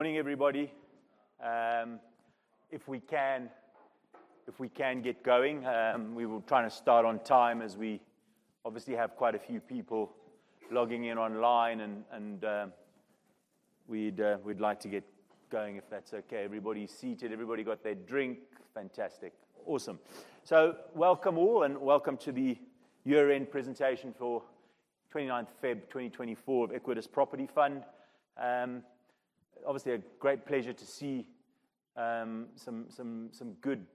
Morning, everybody. If we can get going. We will try to start on time as we obviously have quite a few people logging in online and we'd like to get going, if that's okay. Everybody's seated, everybody got their drink. Fantastic. Awesome. Welcome all, and welcome to the year-end presentation for 29th February 2024 of Equites Property Fund. Obviously a great pleasure to see some good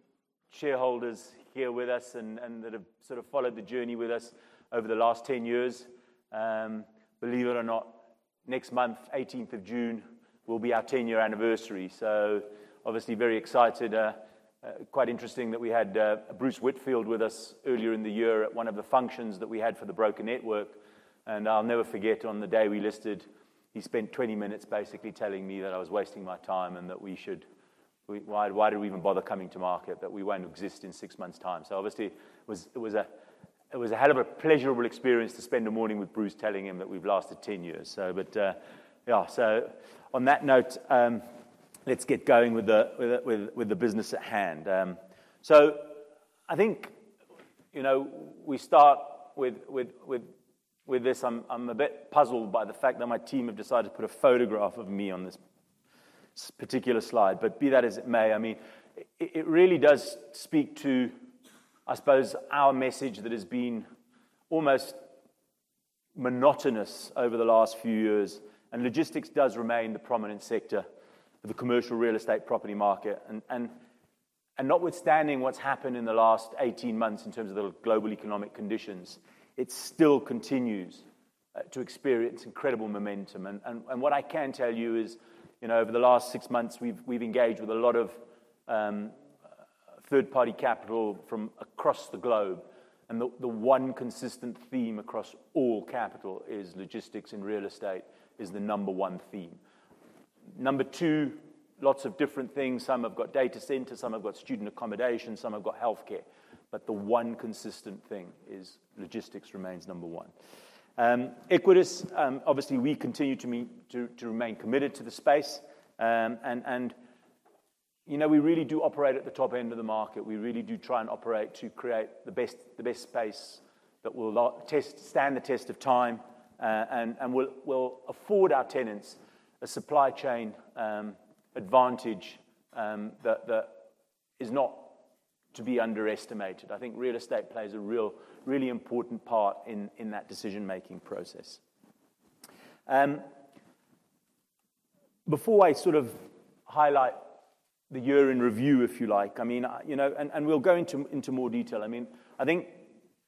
shareholders here with us and that have sort of followed the journey with us over the last 10 years. Believe it or not, next month, 18th of June, will be our 10-year anniversary. Obviously very excited. Quite interesting that we had Bruce Whitfield with us earlier in the year at one of the functions that we had for the Broker Network. I'll never forget, on the day we listed, he spent 20 minutes basically telling me that I was wasting my time and that we should why did we even bother coming to market, that we won't exist in 6 months' time. Obviously it was a hell of a pleasurable experience to spend a morning with Bruce telling him that we've lasted 10 years. On that note, let's get going with the business at hand. I think, you know, we start with this. I'm a bit puzzled by the fact that my team have decided to put a photograph of me on this particular slide. Be that as it may, I mean, it really does speak to, I suppose, our message that has been almost monotonous over the last few years. Logistics does remain the prominent sector of the commercial real estate property market. Notwithstanding what's happened in the last 18 months in terms of the global economic conditions, it still continues to experience incredible momentum. What I can tell you is, you know, over the last 6 months, we've engaged with a lot of third-party capital from across the globe. The one consistent theme across all capital is logistics and real estate is the number one theme. Number two, lots of different things. Some have got data centers, some have got student accommodation, some have got healthcare. The one consistent thing is logistics remains number one. Equites, obviously we continue to remain committed to the space. You know, we really do operate at the top end of the market. We really do try and operate to create the best space that will stand the test of time, and will afford our tenants a supply chain advantage that is not to be underestimated. I think real estate plays a really important part in that decision-making process. Before I sort of highlight the year in review, if you like, I mean, you know. We'll go into more detail. I mean, I think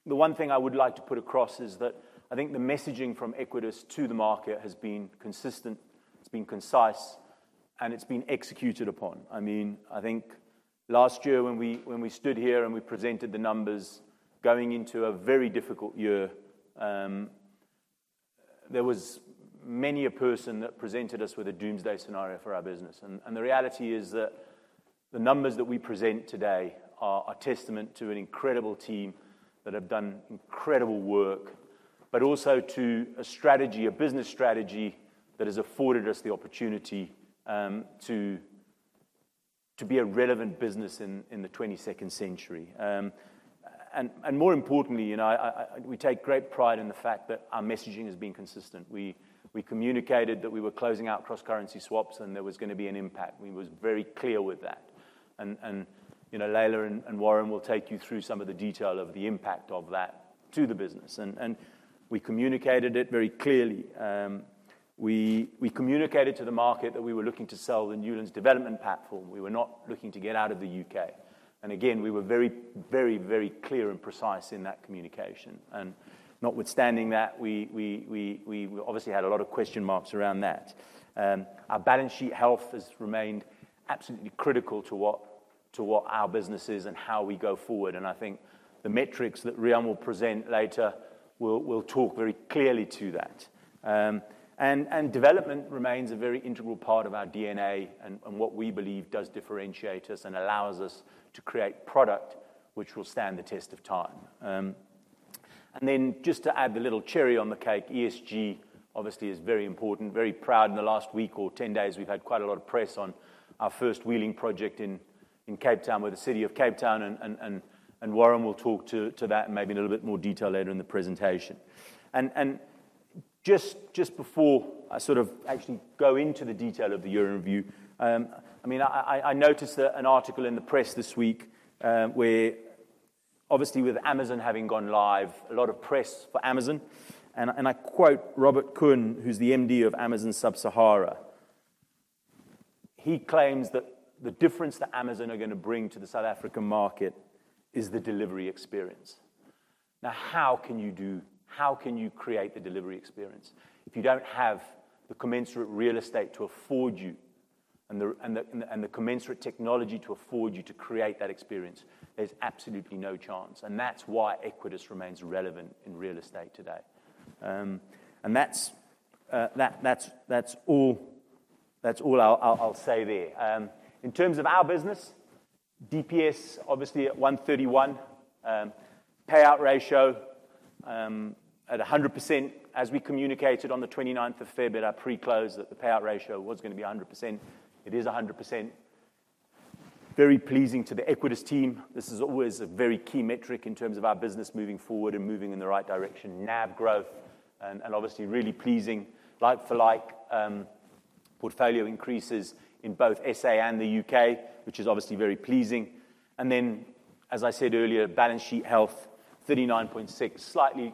the one thing I would like to put across is that I think the messaging from Equites to the market has been consistent, it's been concise, and it's been executed upon. I mean, I think last year when we stood here and we presented the numbers going into a very difficult year, there was many a person that presented us with a doomsday scenario for our business. The reality is that the numbers that we present today are a testament to an incredible team that have done incredible work, but also to a strategy, a business strategy that has afforded us the opportunity to be a relevant business in the twenty-second century. More importantly, you know, we take great pride in the fact that our messaging has been consistent. We communicated that we were closing out cross-currency swaps, and there was gonna be an impact, and we was very clear with that. You know, Laila and Warren will take you through some of the detail of the impact of that to the business. We communicated it very clearly. We communicated to the market that we were looking to sell the Newlands development platform. We were not looking to get out of the U.K. We were very clear and precise in that communication. Notwithstanding that, we obviously had a lot of question marks around that. Our balance sheet health has remained absolutely critical to what our business is and how we go forward. I think the metrics that Rian will present later will talk very clearly to that. Development remains a very integral part of our DNA and what we believe does differentiate us and allows us to create product which will stand the test of time. Just to add the little cherry on the cake, ESG obviously is very important. We are very proud in the last week or 10 days, we've had quite a lot of press on our first wheeling project in Cape Town with the City of Cape Town, and Warren will talk to that in a little bit more detail later in the presentation. Just before I sort of actually go into the detail of the year in review, I mean, I noticed an article in the press this week, where obviously with Amazon having gone live, a lot of press for Amazon. I quote Robert Koen, who's the MD of Amazon Sub-Saharan Africa. He claims that the difference that Amazon are gonna bring to the South African market is the delivery experience. Now, how can you create the delivery experience if you don't have the commensurate real estate to afford you and the commensurate technology to afford you to create that experience? There's absolutely no chance. That's why Equites remains relevant in real estate today. That's all I'll say there. In terms of our business, DPS obviously at 131. Payout ratio at 100% as we communicated on the 29th of February at our pre-close that the payout ratio was gonna be 100%. It is 100%. Very pleasing to the Equites team. This is always a very key metric in terms of our business moving forward and moving in the right direction. NAV growth and obviously really pleasing like for like portfolio increases in both SA and the U.K., which is obviously very pleasing. As I said earlier, balance sheet health 39.6,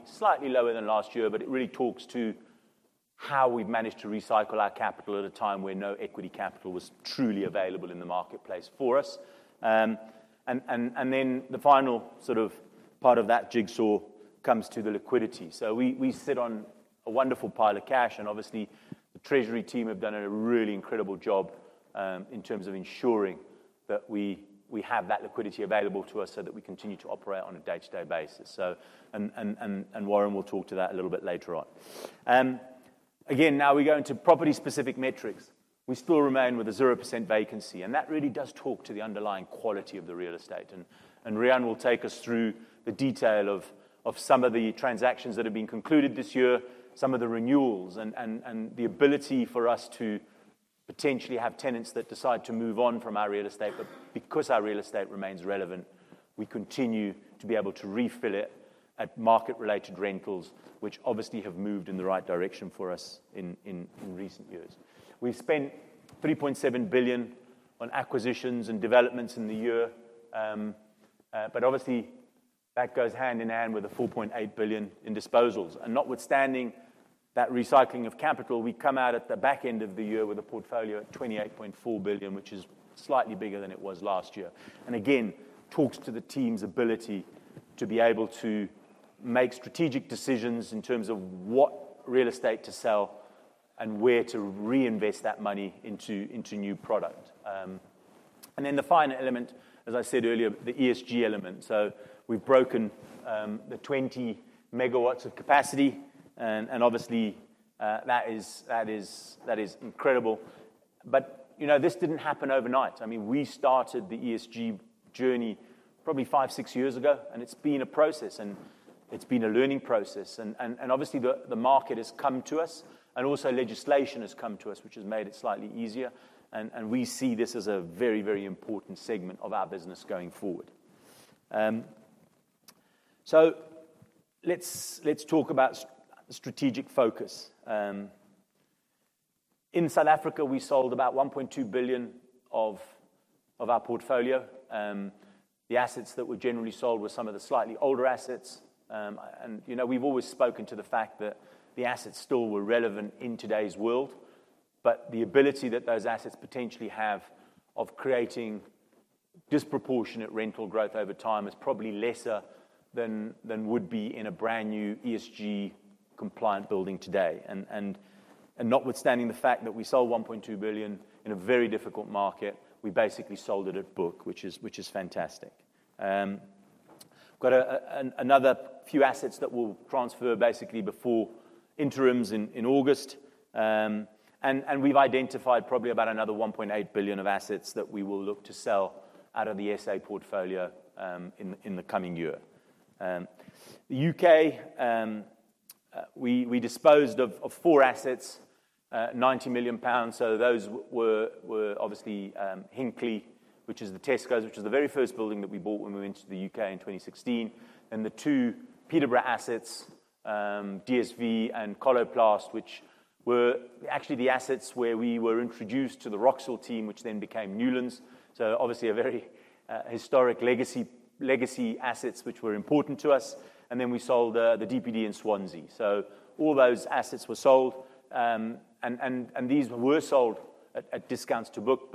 slightly lower than last year, but it really talks to how we've managed to recycle our capital at a time where no equity capital was truly available in the marketplace for us. Then the final sort of part of that jigsaw comes to the liquidity. We sit on a wonderful pile of cash, and obviously the treasury team have done a really incredible job in terms of ensuring that we have that liquidity available to us so that we continue to operate on a day-to-day basis. Warren will talk to that a little bit later on. Again, now we go into property specific metrics. We still remain with a 0% vacancy, and that really does talk to the underlying quality of the real estate. Rian will take us through the detail of some of the transactions that have been concluded this year, some of the renewals and the ability for us to potentially have tenants that decide to move on from our real estate. Because our real estate remains relevant, we continue to be able to refill it at market-related rentals, which obviously have moved in the right direction for us in recent years. We've spent 3.7 billion on acquisitions and developments in the year. But obviously that goes hand in hand with the 4.8 billion in disposals. Notwithstanding that recycling of capital, we come out at the back end of the year with a portfolio of 28.4 billion, which is slightly bigger than it was last year. Again, talks to the team's ability to be able to make strategic decisions in terms of what real estate to sell and where to reinvest that money into new product. Then the final element, as I said earlier, the ESG element. We've broken the 20 MW of capacity and obviously that is incredible. You know, this didn't happen overnight. I mean, we started the ESG journey probably 5 or 6 years ago, and it's been a process and it's been a learning process and obviously the market has come to us and also legislation has come to us, which has made it slightly easier. We see this as a very important segment of our business going forward. Let's talk about strategic focus. In South Africa, we sold about 1.2 billion of our portfolio. The assets that were generally sold were some of the slightly older assets. you know, we've always spoken to the fact that the assets still were relevant in today's world, but the ability that those assets potentially have of creating disproportionate rental growth over time is probably lesser than would be in a brand-new ESG compliant building today. Notwithstanding the fact that we sold 1.2 billion in a very difficult market, we basically sold it at book, which is fantastic. Got another few assets that will transfer basically before interims in August. We've identified probably about another 1.8 billion of assets that we will look to sell out of the SA portfolio, in the coming year. The UK, we disposed of 4 assets, 90 million pounds. Those were obviously Hinckley, which is the Tesco's, which is the very first building that we bought when we went to the U.K. in 2016. The two Peterborough assets, DSV and Coloplast, which were actually the assets where we were introduced to the Roxhill team, which then became Newlands. Obviously a very historic legacy assets which were important to us. Then we sold the DPD in Swansea. All those assets were sold, and these were sold at discounts to book.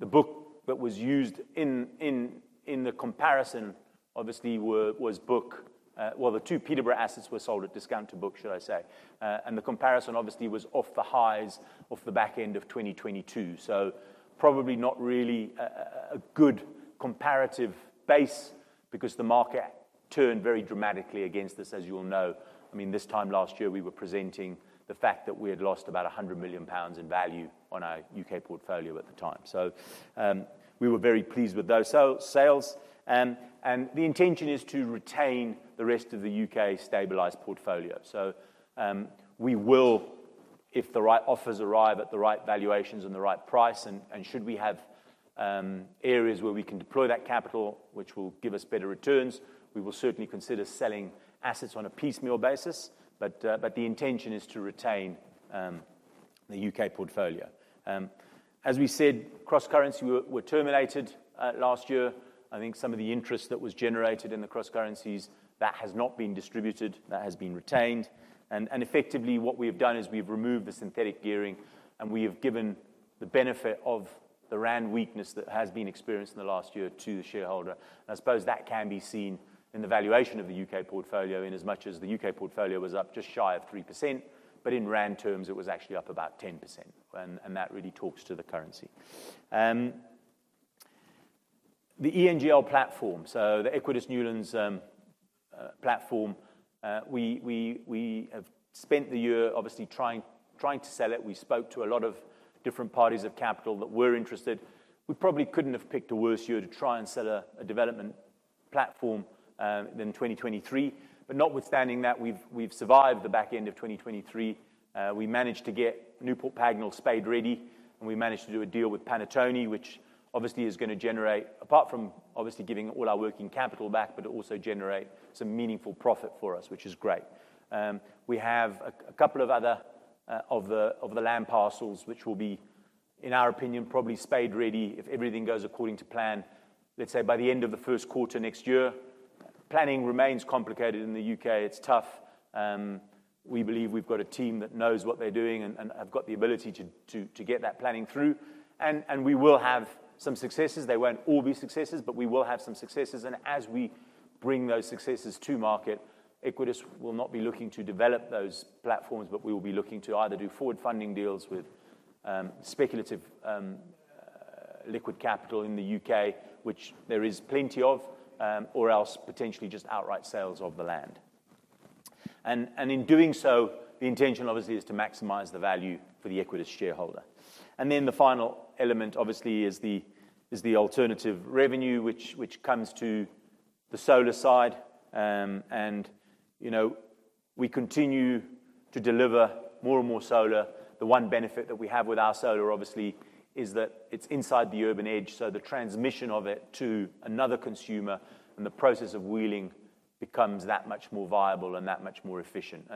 The book that was used in the comparison obviously was book. The two Peterborough assets were sold at discount to book, should I say. The comparison obviously was off the highs off the back end of 2022. Probably not really a good comparative base because the market turned very dramatically against us, as you all know. I mean, this time last year, we were presenting the fact that we had lost about 100 million pounds in value on our U.K. portfolio at the time. We were very pleased with those sales. The intention is to retain the rest of the U.K. stabilized portfolio. We will, if the right offers arrive at the right valuations and the right price, and should we have areas where we can deploy that capital, which will give us better returns, certainly consider selling assets on a piecemeal basis. The intention is to retain the U.K. portfolio. As we said, cross-currency were terminated last year. I think some of the interest that was generated in the cross currencies, that has not been distributed, that has been retained. Effectively what we have done is we've removed the synthetic gearing, and we have given the benefit of the rand weakness that has been experienced in the last year to the shareholder. I suppose that can be seen in the valuation of the U.K. portfolio in as much as the U.K. portfolio was up just shy of 3%, but in rand terms, it was actually up about 10%. That really talks to the currency. The ENGL platform, so the Equites Newlands platform. We have spent the year obviously trying to sell it. We spoke to a lot of different parties of capital that were interested. We probably couldn't have picked a worse year to try and sell a development platform than 2023. Notwithstanding that, we've survived the back end of 2023. We managed to get Newport Pagnell spade ready, and we managed to do a deal with Panattoni, which obviously is gonna generate, apart from obviously giving all our working capital back, but it will also generate some meaningful profit for us, which is great. We have a couple of other land parcels which will be, in our opinion, probably spade ready if everything goes according to plan, let's say by the end of the first quarter next year. Planning remains complicated in the U.K. It's tough. We believe we've got a team that knows what they're doing and have got the ability to get that planning through. We will have some successes. They won't all be successes, but we will have some successes. As we bring those successes to market, Equites will not be looking to develop those platforms, but we will be looking to either do forward funding deals with speculative liquid capital in the U.K., which there is plenty of, or else potentially just outright sales of the land. In doing so, the intention obviously is to maximize the value for the Equites shareholder. The final element obviously is the alternative revenue, which comes to the solar side. You know, we continue to deliver more and more solar. The one benefit that we have with our solar, obviously, is that it's inside the urban edge, so the transmission of it to another consumer and the process of wheeling becomes that much more viable and that much more efficient.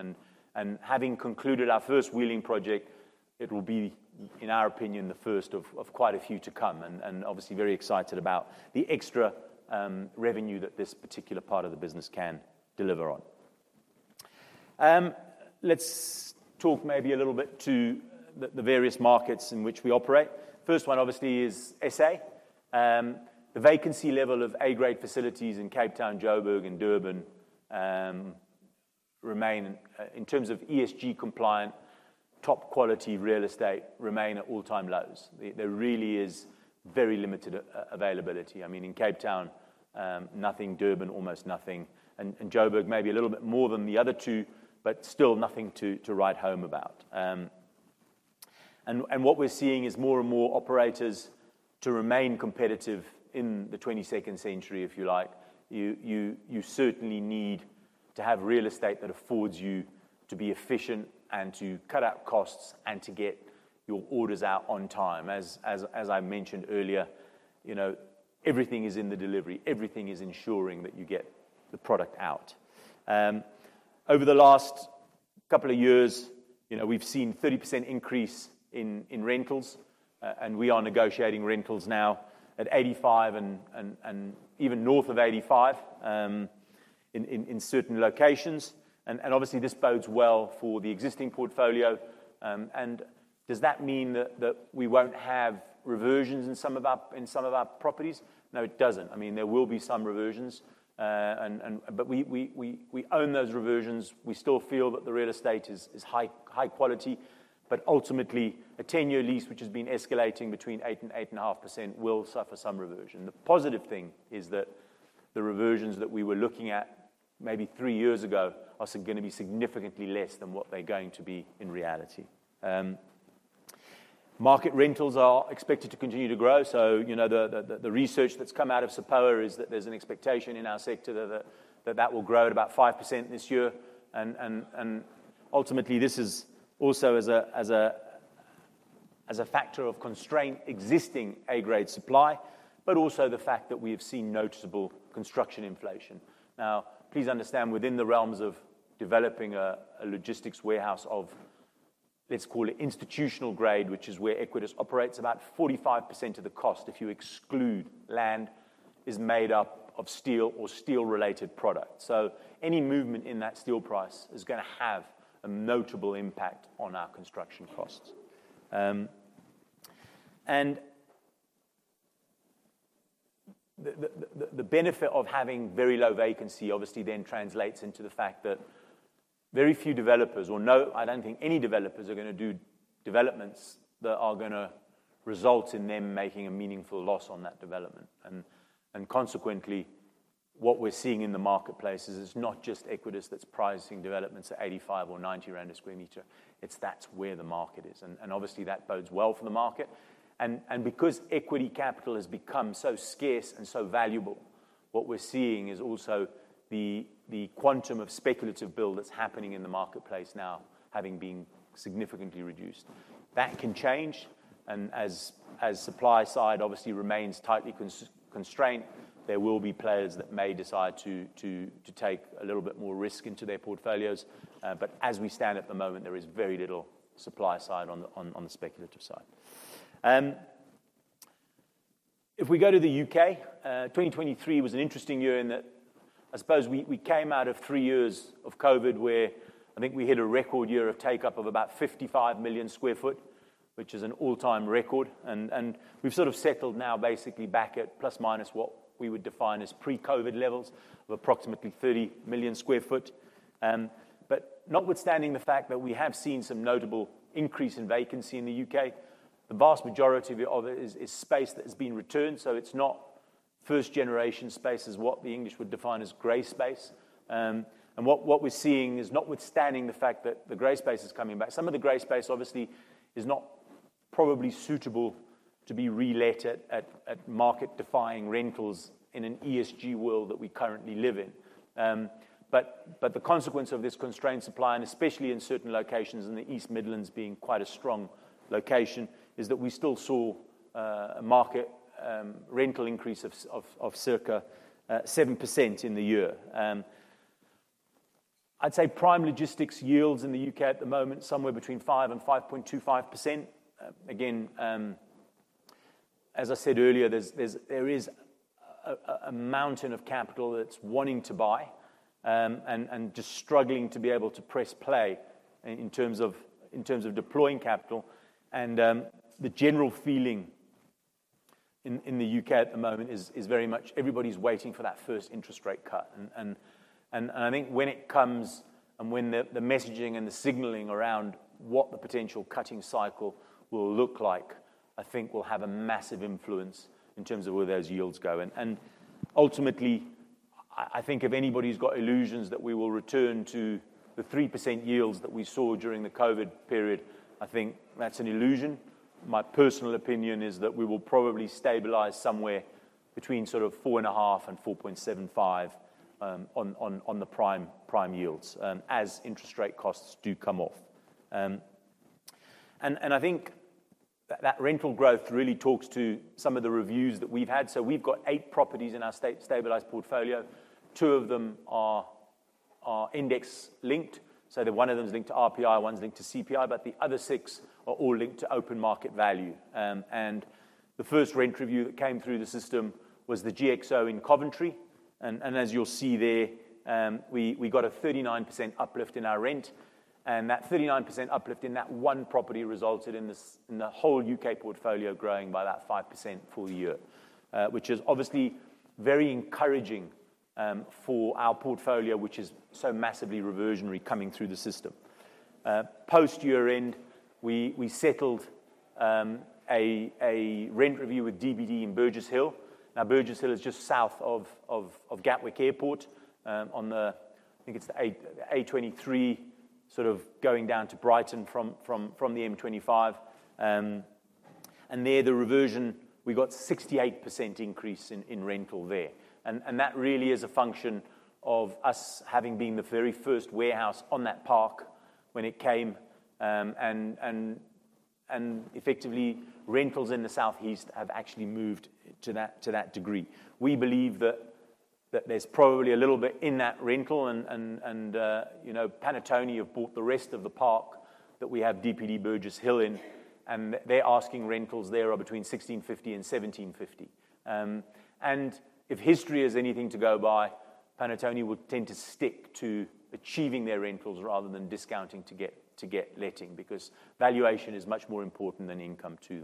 Having concluded our first wheeling project, it will be, in our opinion, the first of quite a few to come, and obviously very excited about the extra revenue that this particular part of the business can deliver on. Let's talk maybe a little bit to the various markets in which we operate. First one obviously is SA. The vacancy level of A-grade facilities in Cape Town, Jo'burg and Durban remain in terms of ESG compliant, top quality real estate at all-time lows. There really is very limited availability. I mean, in Cape Town, nothing. Durban, almost nothing. Jo'burg maybe a little bit more than the other two, but still nothing to write home about. What we're seeing is more and more operators to remain competitive in the 21st century, if you like. You certainly need to have real estate that affords you to be efficient and to cut out costs and to get your orders out on time. As I mentioned earlier, you know, everything is in the delivery. Everything is ensuring that you get the product out. Over the last couple of years, you know, we've seen 30% increase in rentals, and we are negotiating rentals now at 85 and even north of 85 in certain locations. Obviously this bodes well for the existing portfolio. Does that mean that we won't have reversions in some of our properties? No, it doesn't. I mean, there will be some reversions. But we own those reversions. We still feel that the real estate is high quality. But ultimately, a ten-year lease, which has been escalating between 8% and 8.5%, will suffer some reversion. The positive thing is that the reversions that we were looking at maybe 3 years ago are gonna be significantly less than what they're going to be in reality. Market rentals are expected to continue to grow. You know, the research that's come out of SAPOA is that there's an expectation in our sector that it will grow at about 5% this year. Ultimately, this is also as a factor of constraint existing A-grade supply, but also the fact that we have seen noticeable construction inflation. Now, please understand, within the realms of developing a logistics warehouse of, let's call it institutional grade, which is where Equites operates, about 45% of the cost, if you exclude land, is made up of steel or steel-related products. So any movement in that steel price is gonna have a notable impact on our construction costs. The benefit of having very low vacancy obviously then translates into the fact that very few developers. I don't think any developers are gonna do developments that are gonna result in them making a meaningful loss on that development. Consequently, what we're seeing in the marketplace is it's not just Equites that's pricing developments at 85 or 90 rand per sq m, it's, that's where the market is. Obviously that bodes well for the market. Because equity capital has become so scarce and so valuable, what we're seeing is also the quantum of speculative build that's happening in the marketplace now having been significantly reduced. That can change, and as supply side obviously remains tightly constrained, there will be players that may decide to take a little bit more risk into their portfolios. As we stand at the moment, there is very little supply side on the speculative side. If we go to the U.K., 2023 was an interesting year in that I suppose we came out of three years of COVID where I think we hit a record year of take-up of about 55 million sq ft, which is an all-time record. We've sort of settled now basically back at ± what we would define as pre-COVID levels of approximately 30 million sq ft. Notwithstanding the fact that we have seen some notable increase in vacancy in the U.K., the vast majority of it is space that has been returned. It's not first-generation space as what the English would define as gray space. What we're seeing is notwithstanding the fact that the gray space is coming back, some of the gray space obviously is not probably suitable to be relet at market-defining rentals in an ESG world that we currently live in. The consequence of this constrained supply, and especially in certain locations in the East Midlands being quite a strong location, is that we still saw a market rental increase of circa 7% in the year. I'd say prime logistics yields in the U.K. at the moment somewhere between 5%-5.25%. Again, as I said earlier, there is a mountain of capital that's wanting to buy and just struggling to be able to press play in terms of deploying capital. The general feeling in the U.K. at the moment is very much everybody's waiting for that first interest rate cut. I think when it comes and when the messaging and the signaling around what the potential cutting cycle will look like, I think will have a massive influence in terms of where those yields go. Ultimately, I think if anybody's got illusions that we will return to the 3% yields that we saw during the COVID period, I think that's an illusion. My personal opinion is that we will probably stabilize somewhere between 4.5 and 4.75 on the prime yields as interest rate costs do come off. I think that rental growth really talks to some of the reviews that we've had. We've got eight properties in our stabilized portfolio. Two of them are index-linked, so one of them is linked to RPI, one's linked to CPI, but the other six are all linked to open market value. The first rent review that came through the system was the GXO in Coventry. As you'll see there, we got a 39% uplift in our rent, and that 39% uplift in that one property resulted in the whole U.K. portfolio growing by that 5% full year, which is obviously very encouraging for our portfolio, which is so massively reversionary coming through the system. Post-year-end, we settled a rent review with DPD in Burgess Hill. Now, Burgess Hill is just south of Gatwick Airport, on the, I think it's the A23, sort of going down to Brighton from the M25. There, the reversion we got 68% increase in rental there. That really is a function of us having been the very first warehouse on that park when it came, and effectively rentals in the Southeast have actually moved to that degree. We believe that there's probably a little bit in that rental, you know, Panattoni have bought the rest of the park that we have DPD Burgess Hill in, and they're asking rentals there are between 16.50 and 17.50. If history is anything to go by, Panattoni would tend to stick to achieving their rentals rather than discounting to get letting because valuation is much more important than income to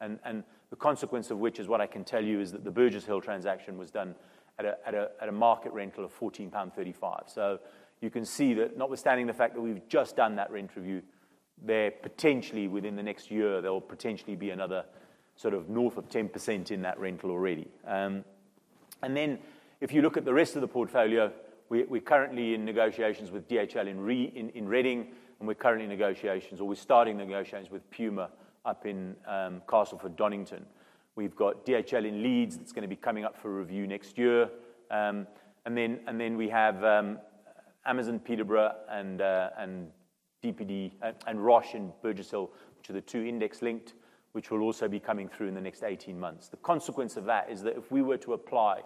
them. The consequence of which is what I can tell you is that the Burgess Hill transaction was done at a market rental of 14.35 pound. You can see that notwithstanding the fact that we've just done that rent review, there potentially within the next year, there will potentially be another sort of north of 10% in that rental already. If you look at the rest of the portfolio, we're currently in negotiations with DHL in Reading, and we're currently in negotiations or we're starting negotiations with Puma up in Castleford, Donington. We've got DHL in Leeds that's gonna be coming up for review next year. We have Amazon Peterborough and DPD and Roche and Burgess Hill, which are the two index-linked, which will also be coming through in the next 18 months. The consequence of that is that if we were to apply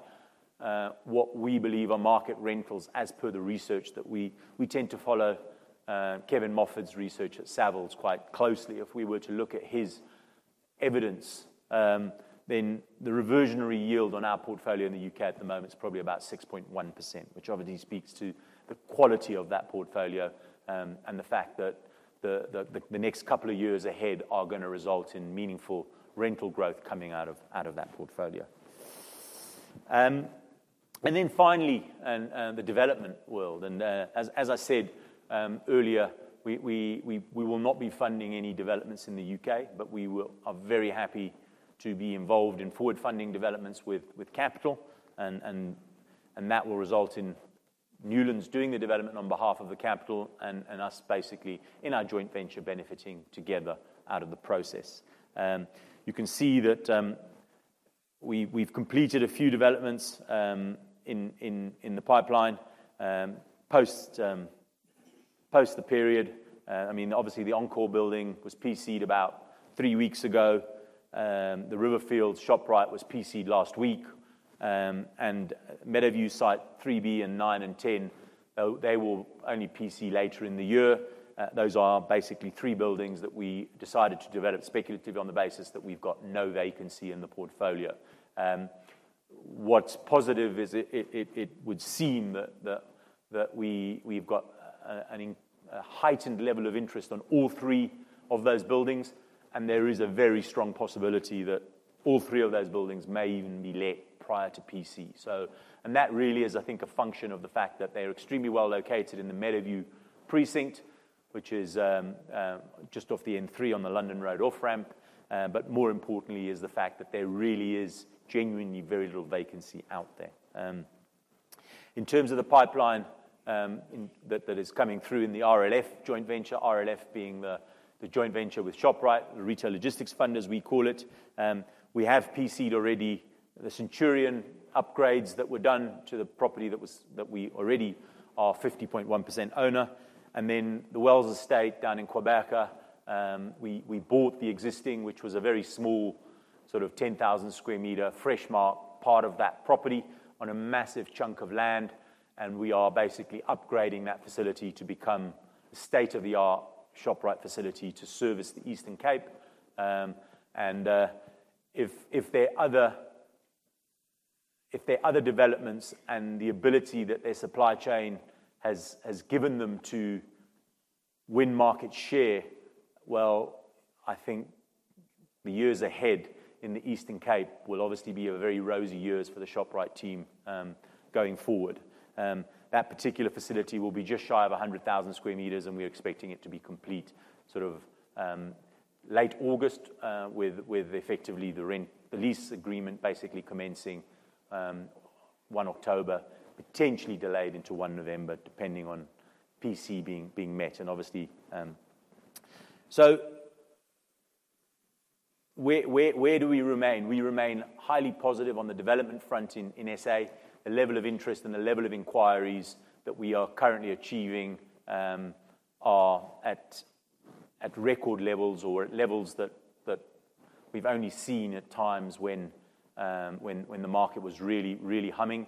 what we believe are market rentals as per the research that we tend to follow Kevin Mofid's research at Savills quite closely. If we were to look at his evidence, then the reversionary yield on our portfolio in the U.K. at the moment is probably about 6.1%, which obviously speaks to the quality of that portfolio, and the fact that the next couple of years ahead are gonna result in meaningful rental growth coming out of that portfolio. Then finally, the development world. As I said earlier, we will not be funding any developments in the U.K., but we are very happy to be involved in forward-funding developments with capital and that will result in Newlands doing the development on behalf of the capital and us basically in our joint venture benefiting together out of the process. You can see that we've completed a few developments in the pipeline post the period. I mean, obviously the Encore building was PC'd about 3 weeks ago. The Riverfields Shoprite was PC'd last week. Meadowview site 3B and 9 and 10, they will only PC later in the year. Those are basically 3 buildings that we decided to develop speculatively on the basis that we've got no vacancy in the portfolio. What's positive is it would seem that we've got a heightened level of interest on all 3 of those buildings, and there is a very strong possibility that all 3 of those buildings may even be let prior to PC. That really is, I think, a function of the fact that they're extremely well located in the Meadowview precinct, which is just off the M3 on the London road off-ramp. More importantly is the fact that there really is genuinely very little vacancy out there. In terms of the pipeline, that is coming through in the RLF joint venture. RLF being the joint venture with Shoprite, the Retail Logistics Fund, as we call it. We have PC'd already the Centurion upgrades that were done to the property that we already are 50.1% owner. Then the Wells Estate down in Gqeberha. We bought the existing, which was a very small, sort of 10,000 sq m Freshmark part of that property on a massive chunk of land. We are basically upgrading that facility to become a state-of-the-art Shoprite facility to service the Eastern Cape. If their other developments and the ability that their supply chain has given them to win market share, well, I think the years ahead in the Eastern Cape will obviously be a very rosy years for the Shoprite team going forward. That particular facility will be just shy of 100,000 sq m, and we're expecting it to be complete sort of late August, with effectively the lease agreement basically commencing 1 October, potentially delayed into 1 November, depending on PC being met, and obviously. Where do we remain? We remain highly positive on the development front in SA. The level of interest and the level of inquiries that we are currently achieving are at record levels or at levels that we've only seen at times when the market was really humming.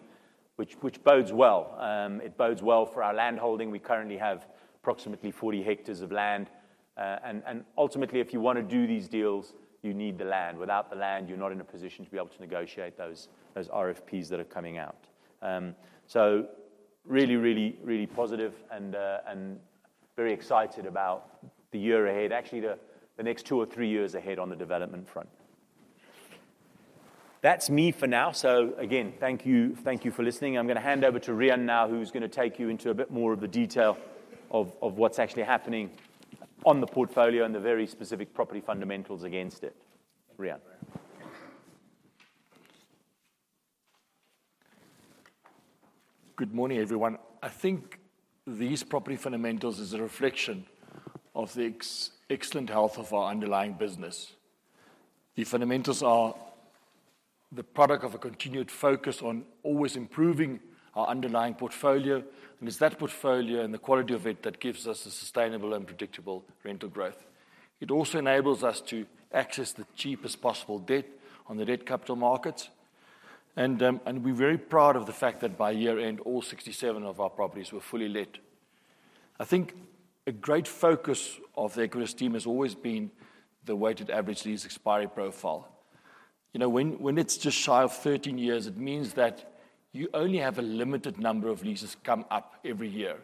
Which bodes well. It bodes well for our land holding. We currently have approximately 40 hectares of land. Ultimately, if you wanna do these deals, you need the land. Without the land, you're not in a position to be able to negotiate those RFPs that are coming out. Really positive and very excited about the year ahead. Actually, the next two or three years ahead on the development front. That's me for now. Again, thank you for listening. I'm gonna hand over to Rian now, who's gonna take you into a bit more of the detail of what's actually happening on the portfolio and the very specific property fundamentals against it. Rian. Good morning, everyone. I think these property fundamentals is a reflection of the excellent health of our underlying business. The fundamentals are the product of a continued focus on always improving our underlying portfolio, and it's that portfolio and the quality of it that gives us a sustainable and predictable rental growth. It also enables us to access the cheapest possible debt on the debt capital markets. We're very proud of the fact that by year-end, all 67 of our properties were fully let. I think a great focus of the Equites team has always been the weighted average lease expiry profile. You know, when it's just shy of 13 years, it means that you only have a limited number of leases come up every year.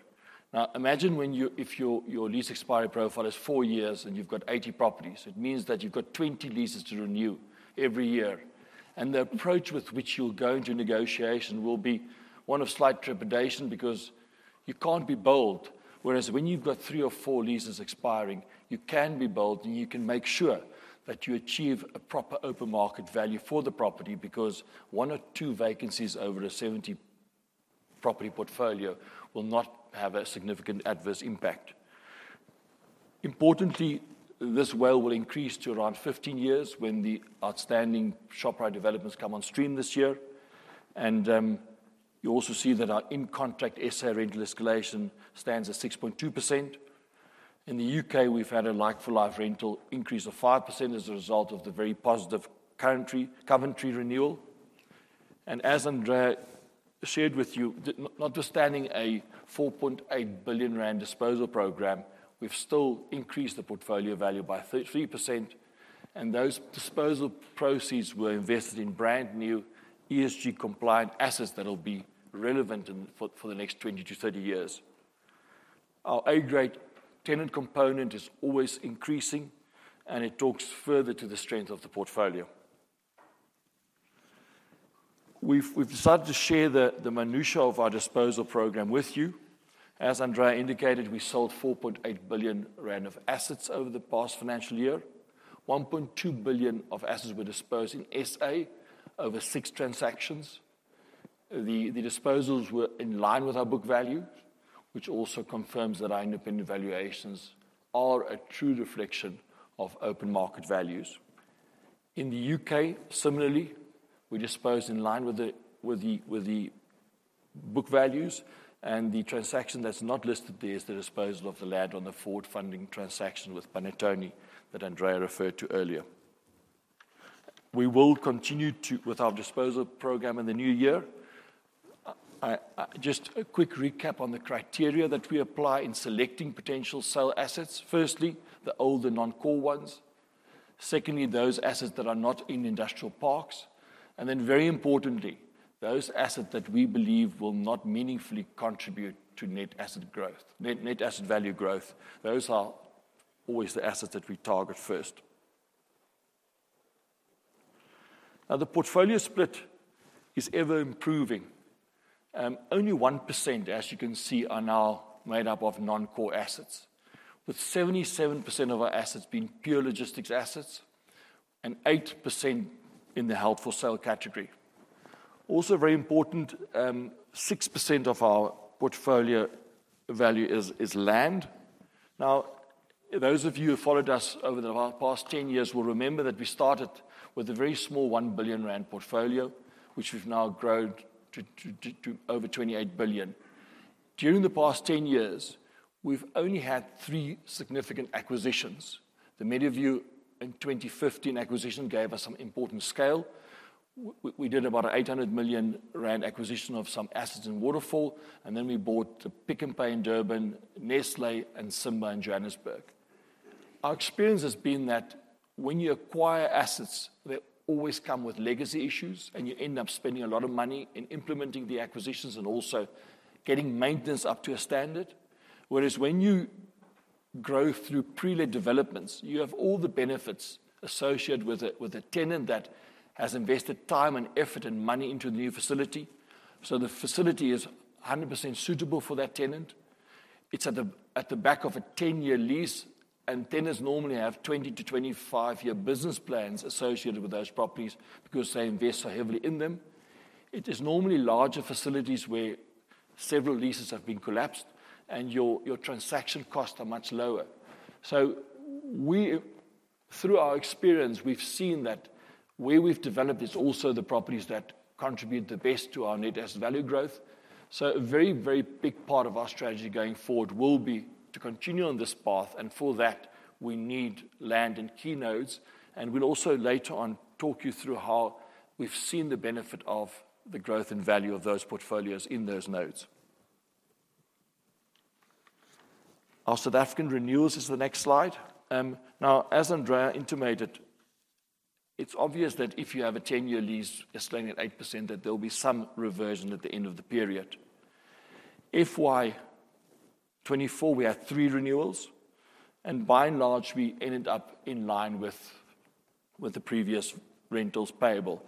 Now, imagine when you... If your lease expiry profile is 4 years and you've got 80 properties, it means that you've got 20 leases to renew every year. The approach with which you'll go into negotiation will be one of slight trepidation because you can't be bold. Whereas when you've got 3 or 4 leases expiring, you can be bold, and you can make sure that you achieve a proper open market value for the property, because 1 or 2 vacancies over a 70-property portfolio will not have a significant adverse impact. Importantly, this WALE will increase to around 15 years when the outstanding Shoprite developments come on stream this year. You also see that our in-contract SA rental escalation stands at 6.2%. In the UK, we've had a like-for-like rental increase of 5% as a result of the very positive Coventry renewal. As Andrea shared with you, notwithstanding a 4.8 billion rand disposal program, we've still increased the portfolio value by 30%, and those disposal proceeds were invested in brand-new ESG compliant assets that'll be relevant for the next 20-30 years. Our A-grade tenant component is always increasing, and it talks further to the strength of the portfolio. We've decided to share the minutiae of our disposal program with you. As Andrea indicated, we sold 4.8 billion rand of assets over the past financial year. 1.2 billion of assets were disposed in SA over six transactions. The disposals were in line with our book value, which also confirms that our independent valuations are a true reflection of open market values. In the U.K., similarly, we disposed in line with the book values, and the transaction that's not listed there is the disposal of the land on the forward funding transaction with Panattoni that Andrea referred to earlier. We will continue with our disposal program in the new year. Just a quick recap on the criteria that we apply in selecting potential sale assets. Firstly, the older non-core ones. Secondly, those assets that are not in industrial parks. Very importantly, those assets that we believe will not meaningfully contribute to net asset growth. Net asset value growth, those are always the assets that we target first. Now the portfolio split is ever-improving. Only 1%, as you can see, are now made up of non-core assets, with 77% of our assets being pure logistics assets and 8% in the held for sale category. Also very important, 6% of our portfolio value is land. Now, those of you who followed us over the past ten years will remember that we started with a very small 1 billion rand portfolio, which we've now grown to over 28 billion. During the past ten years, we've only had three significant acquisitions. The Meadowview in 2015 acquisition gave us some important scale. We did about 800 million rand acquisition of some assets in Waterfall, and then we bought the Pick n Pay in Durban, Nestlé and Simba in Johannesburg. Our experience has been that when you acquire assets, they always come with legacy issues, and you end up spending a lot of money in implementing the acquisitions and also getting maintenance up to a standard. Whereas when you grow through pre-let developments, you have all the benefits associated with a tenant that has invested time and effort and money into the new facility. So the facility is 100% suitable for that tenant. It's at the back of a 10-year lease, and tenants normally have 20- to 25-year business plans associated with those properties because they invest so heavily in them. It is normally larger facilities where several leases have been collapsed and your transaction costs are much lower. Through our experience, we've seen that where we've developed is also the properties that contribute the best to our net asset value growth. A very, very big part of our strategy going forward will be to continue on this path, and for that, we need land and key nodes, and we'll also later on talk you through how we've seen the benefit of the growth and value of those portfolios in those nodes. Our South African renewals is the next slide. Now, as Andrea intimated, it's obvious that if you have a 10-year lease escalating at 8%, that there'll be some reversion at the end of the period. FY 2024, we had three renewals, and by and large, we ended up in line with the previous rentals payable.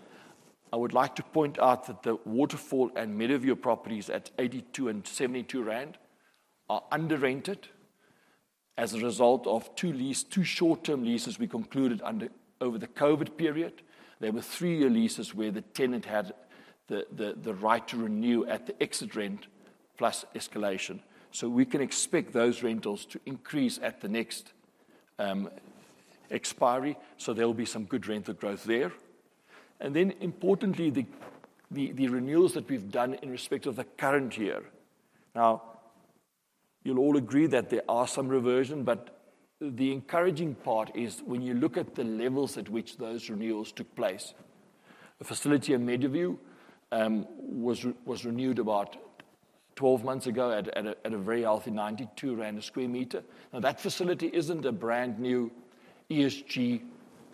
I would like to point out that the Waterfall and Meadowview properties at 82 and 72 rand are under-rented as a result of two short-term leases we concluded over the COVID period. There were 3-year leases where the tenant had the right to renew at the exit rent plus escalation. We can expect those rentals to increase at the next expiry, so there'll be some good rental growth there. Importantly, the renewals that we've done in respect of the current year, now you'll all agree that there are some reversion, but the encouraging part is when you look at the levels at which those renewals took place. The facility at Meadowview was renewed about 12 months ago at a very healthy 92 rand/sq m. Now, that facility isn't a brand-new ESG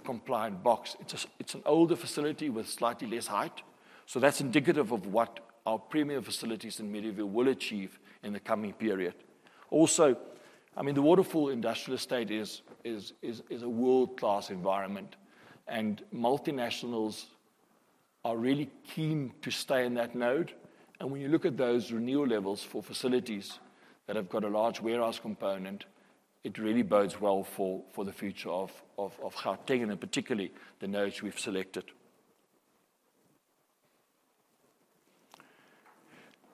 compliant box. It's an older facility with slightly less height. That's indicative of what our premier facilities in Meadowview will achieve in the coming period. I mean, the Waterfall Industrial Estate is a world-class environment, and multinationals are really keen to stay in that node. When you look at those renewal levels for facilities that have got a large warehouse component, it really bodes well for the future of Gauteng, and particularly the nodes we've selected.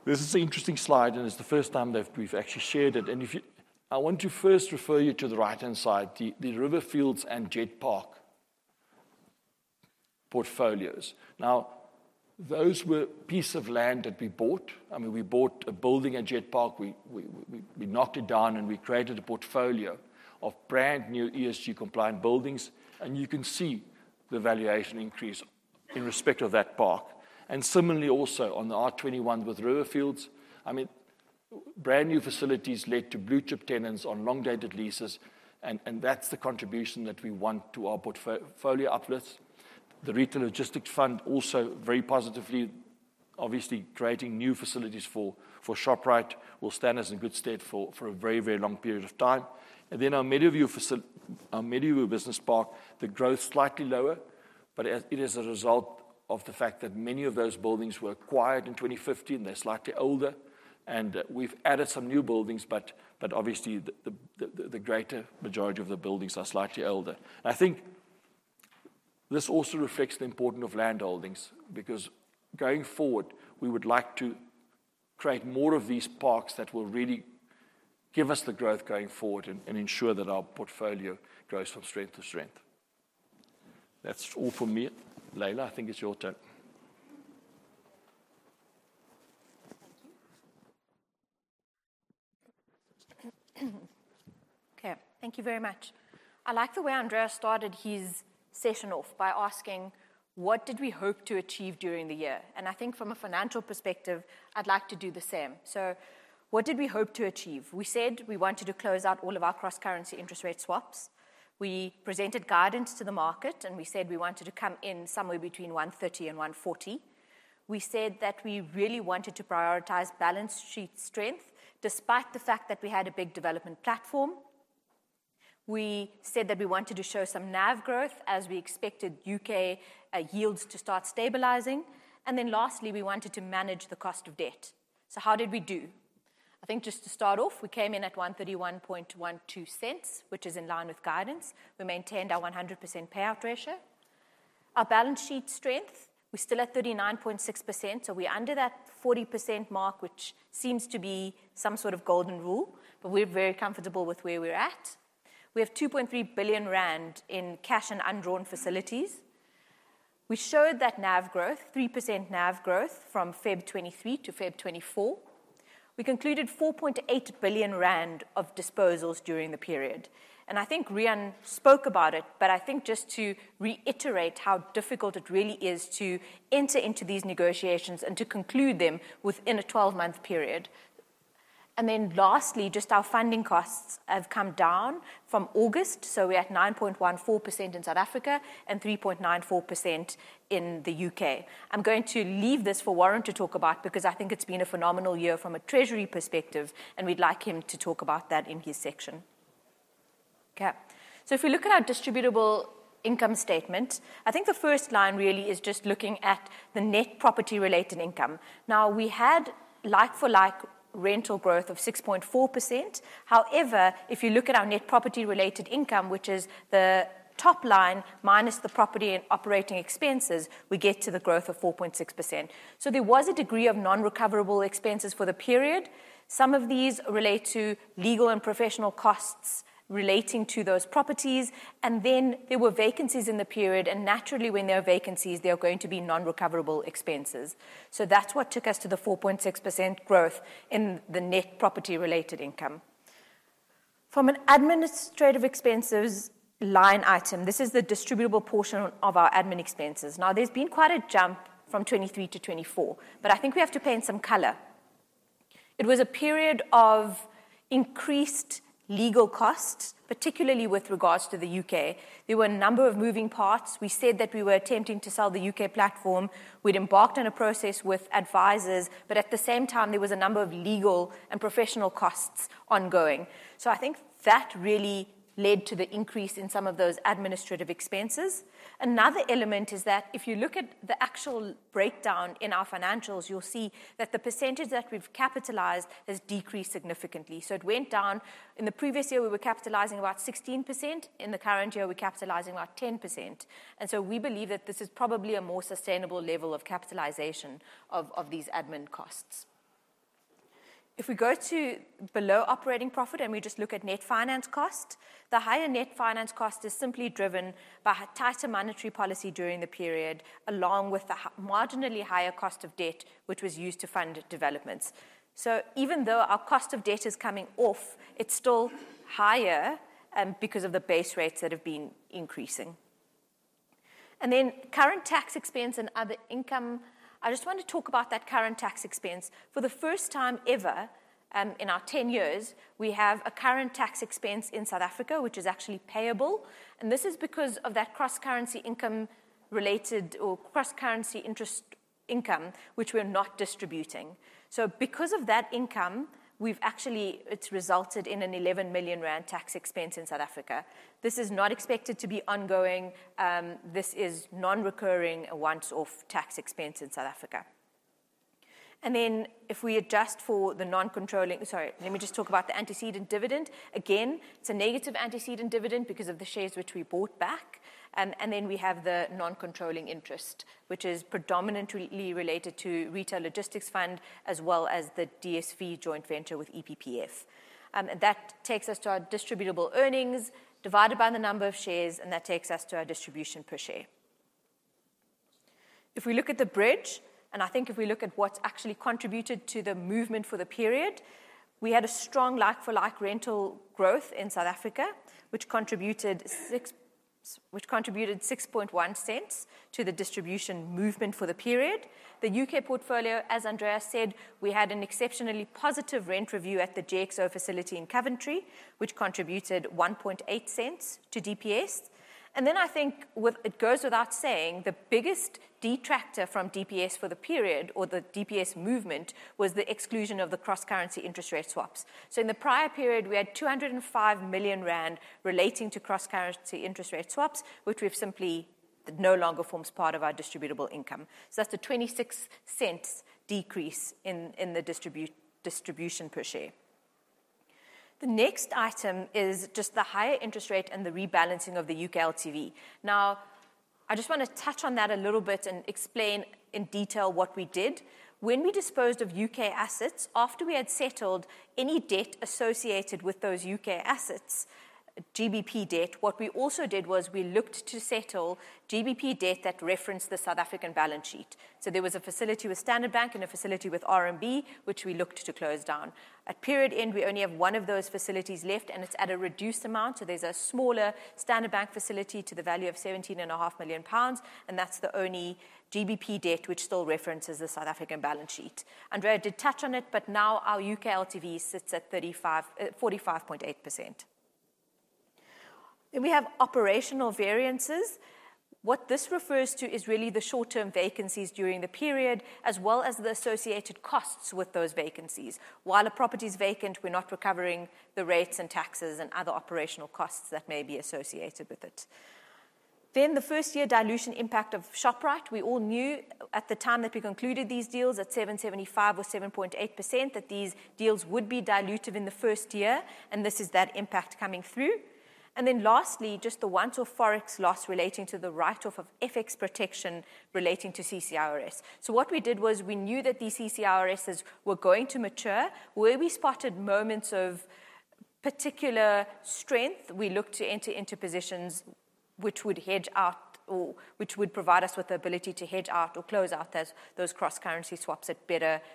This is an interesting slide, and it's the first time that we've actually shared it, and I want to first refer you to the right-hand side, the Riverfields and Jet Park portfolios. Now, those were piece of land that we bought. I mean, we bought a building at Jet Park. We knocked it down, and we created a portfolio of brand-new ESG compliant buildings. You can see the valuation increase in respect of that park. Similarly also on the R21 with Riverfields. I mean, brand-new facilities led to blue-chip tenants on long-dated leases and that's the contribution that we want to our portfolio uplift. The Retail Logistics Fund also very positively, obviously creating new facilities for Shoprite will stand us in good stead for a very long period of time. Our Meadowview Business Park, the growth's slightly lower, but as it is a result of the fact that many of those buildings were acquired in 2015. They're slightly older, and we've added some new buildings, but obviously the greater majority of the buildings are slightly older. I think this also reflects the importance of landholdings, because going forward, we would like to create more of these parks that will really give us the growth going forward and ensure that our portfolio grows from strength to strength. That's all from me. Laila, I think it's your turn. Thank you. Okay, thank you very much. I like the way Andrea started his session off by asking what did we hope to achieve during the year, and I think from a financial perspective, I'd like to do the same. What did we hope to achieve? We said we wanted to close out all of our cross-currency interest rate swaps. We presented guidance to the market, and we said we wanted to come in somewhere between 130 and 140. We said that we really wanted to prioritize balance sheet strength, despite the fact that we had a big development platform. We said that we wanted to show some NAV growth as we expected U.K. yields to start stabilizing, and then lastly we wanted to manage the cost of debt. How did we do? I think just to start off, we came in at 131.12 cents, which is in line with guidance. We maintained our 100% payout ratio. Our balance sheet strength, we're still at 39.6%, so we're under that 40% mark, which seems to be some sort of golden rule, but we're very comfortable with where we're at. We have 2.3 billion rand in cash and undrawn facilities. We showed that NAV growth, 3% NAV growth from Feb 2023 to Feb 2024. We concluded 4.8 billion rand of disposals during the period. I think Rian spoke about it, but I think just to reiterate how difficult it really is to enter into these negotiations and to conclude them within a 12-month period. Lastly, just our funding costs have come down from August, so we're at 9.14% in South Africa and 3.94% in the U.K. I'm going to leave this for Warren to talk about because I think it's been a phenomenal year from a treasury perspective, and we'd like him to talk about that in his section. Okay. If we look at our distributable income statement, I think the first line really is just looking at the net property-related income. Now, we had like-for-like rental growth of 6.4%. However, if you look at our net property-related income, which is the top line minus the property and operating expenses, we get to the growth of 4.6%. There was a degree of non-recoverable expenses for the period. Some of these relate to legal and professional costs relating to those properties. Then there were vacancies in the period, and naturally, when there are vacancies, there are going to be non-recoverable expenses. That's what took us to the 4.6% growth in the net property-related income. From an administrative expenses line item, this is the distributable portion of our admin expenses. Now, there's been quite a jump from 2023 to 2024, but I think we have to paint some color. It was a period of increased legal costs, particularly with regards to the U.K. There were a number of moving parts. We said that we were attempting to sell the U.K. platform. We'd embarked on a process with advisors, but at the same time, there was a number of legal and professional costs ongoing. I think that really led to the increase in some of those administrative expenses. Another element is that if you look at the actual breakdown in our financials, you'll see that the percentage that we've capitalized has decreased significantly. It went down. In the previous year, we were capitalizing about 16%. In the current year, we're capitalizing about 10%. We believe that this is probably a more sustainable level of capitalization of these admin costs. If we go to below operating profit and we just look at net finance cost, the higher net finance cost is simply driven by a tighter monetary policy during the period, along with the marginally higher cost of debt, which was used to fund developments. Even though our cost of debt is coming off, it's still higher because of the base rates that have been increasing. Current tax expense and other income, I just want to talk about that current tax expense. For the first time ever in our ten years, we have a current tax expense in South Africa, which is actually payable, and this is because of that cross-currency income related or cross-currency interest income, which we're not distributing. Because of that income, it's resulted in a 11 million rand tax expense in South Africa. This is not expected to be ongoing. This is non-recurring, a once-off tax expense in South Africa. Sorry, let me just talk about the antecedent dividend. Again, it's a negative antecedent dividend because of the shares which we bought back. We have the non-controlling interest, which is predominantly related to Retail Logistics Fund, as well as the DSV joint venture with EPPF. That takes us to our distributable earnings divided by the number of shares, and that takes us to our distribution per share. If we look at the bridge, I think if we look at what's actually contributed to the movement for the period, we had a strong like-for-like rental growth in South Africa, which contributed 0.061 to the distribution movement for the period. The UK portfolio, as Andrea said, we had an exceptionally positive rent review at the GXO facility in Coventry, which contributed 0.018 to DPS. I think it goes without saying, the biggest detractor from DPS for the period, or the DPS movement, was the exclusion of the cross-currency interest rate swaps. In the prior period, we had 205 million rand relating to cross-currency interest rate swaps, which we've simply. It no longer forms part of our distributable income. That's a 0.26 decrease in the distribution per share. The next item is just the higher interest rate and the rebalancing of the U.K. LTV. Now I just wanna touch on that a little bit and explain in detail what we did. When we disposed of U.K. assets, after we had settled any debt associated with those U.K. assets, GBP debt, what we also did was we looked to settle GBP debt that referenced the South African balance sheet. There was a facility with Standard Bank and a facility with RMB, which we looked to close down. At period end, we only have one of those facilities left, and it's at a reduced amount. There's a smaller Standard Bank facility to the value of 17.5 million pounds, and that's the only GBP debt which still references the South African balance sheet. Andrea did touch on it, but now our UK LTV sits at 35%-45.8%. We have operational variances. What this refers to is really the short-term vacancies during the period, as well as the associated costs with those vacancies. While a property is vacant, we're not recovering the rates and taxes and other operational costs that may be associated with it. The first-year dilution impact of Shoprite, we all knew at the time that we concluded these deals at 7.75% or 7.8% that these deals would be dilutive in the first year, and this is that impact coming through. Lastly, just the once-off Forex loss relating to the write-off of FX protection relating to CCIRS. What we did was we knew that these CCIRSs were going to mature. Where we spotted moments of particular strength, we looked to enter into positions which would hedge out or which would provide us with the ability to hedge out or close out those cross-currency swaps at better Forex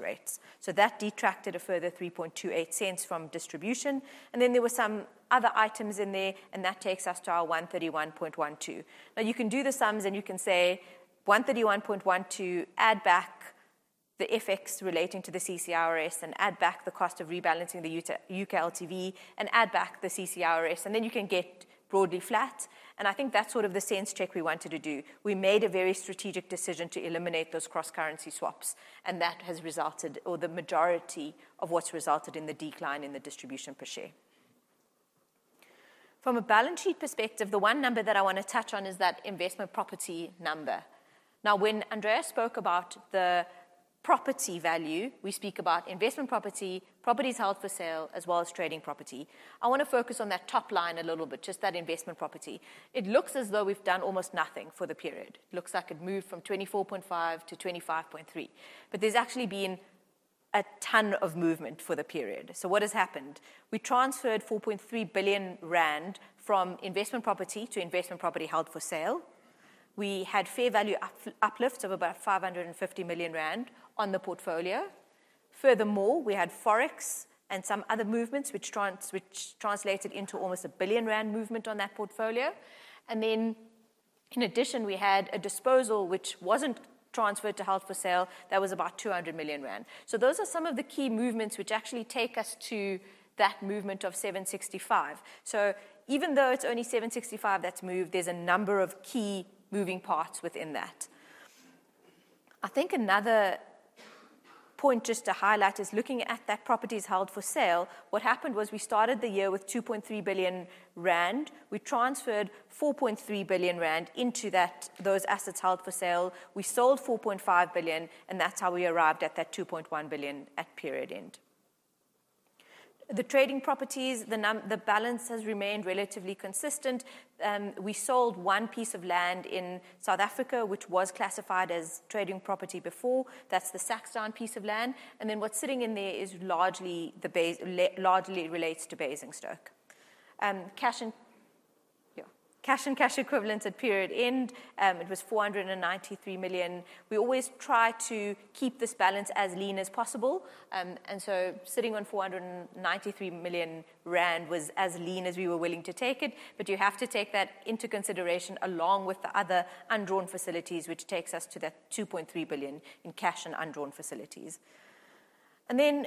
rates. That detracted a further 0.0328 from distribution. There were some other items in there, and that takes us to our 1.3112. Now, you can do the sums, and you can say, 131.12, add back the FX relating to the CCIRS and add back the cost of rebalancing the U.K. LTV and add back the CCIRS, and then you can get broadly flat. I think that's sort of the sense check we wanted to do. We made a very strategic decision to eliminate those cross-currency swaps, and that has resulted, or the majority of what's resulted in the decline in the distribution per share. From a balance sheet perspective, the one number that I wanna touch on is that investment property number. Now, when Andrea spoke about the property value, we speak about investment property, properties held for sale, as well as trading property. I wanna focus on that top line a little bit, just that investment property. It looks as though we've done almost nothing for the period. It looks like it moved from 24.5 to 25.3, but there's actually been a ton of movement for the period. What has happened? We transferred 4.3 billion rand from investment property to investment property held for sale. We had fair value uplift of about 550 million rand on the portfolio. Furthermore, we had Forex and some other movements which translated into almost 1 billion rand movement on that portfolio. Then in addition, we had a disposal which wasn't transferred to held for sale. That was about 200 million rand. Those are some of the key movements which actually take us to that movement of 765. Even though it's only 765 that's moved, there's a number of key moving parts within that. I think another point just to highlight is looking at that properties held for sale, what happened was we started the year with 2.3 billion rand. We transferred 4.3 billion rand into those assets held for sale. We sold 4.5 billion, and that's how we arrived at that 2.1 billion at period end. The trading properties, the balance has remained relatively consistent. We sold one piece of land in South Africa, which was classified as trading property before. That's the Saxdowne piece of land. And then what's sitting in there largely relates to Basingstoke. Cash and cash equivalents at period end, it was 493 million. We always try to keep this balance as lean as possible. Sitting on 493 million rand was as lean as we were willing to take it, but you have to take that into consideration along with the other undrawn facilities, which takes us to that 2.3 billion in cash and undrawn facilities.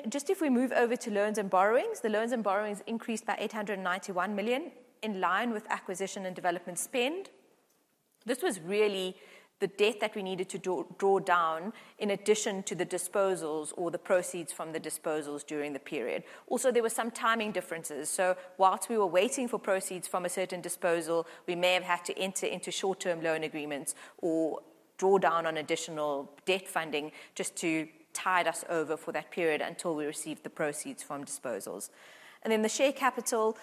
Just if we move over to loans and borrowings, the loans and borrowings increased by 891 million in line with acquisition and development spend. This was really the debt that we needed to draw down in addition to the disposals or the proceeds from the disposals during the period. Also, there were some timing differences. Whilst we were waiting for proceeds from a certain disposal, we may have had to enter into short-term loan agreements or draw down on additional debt funding just to tide us over for that period until we received the proceeds from disposals. The share capital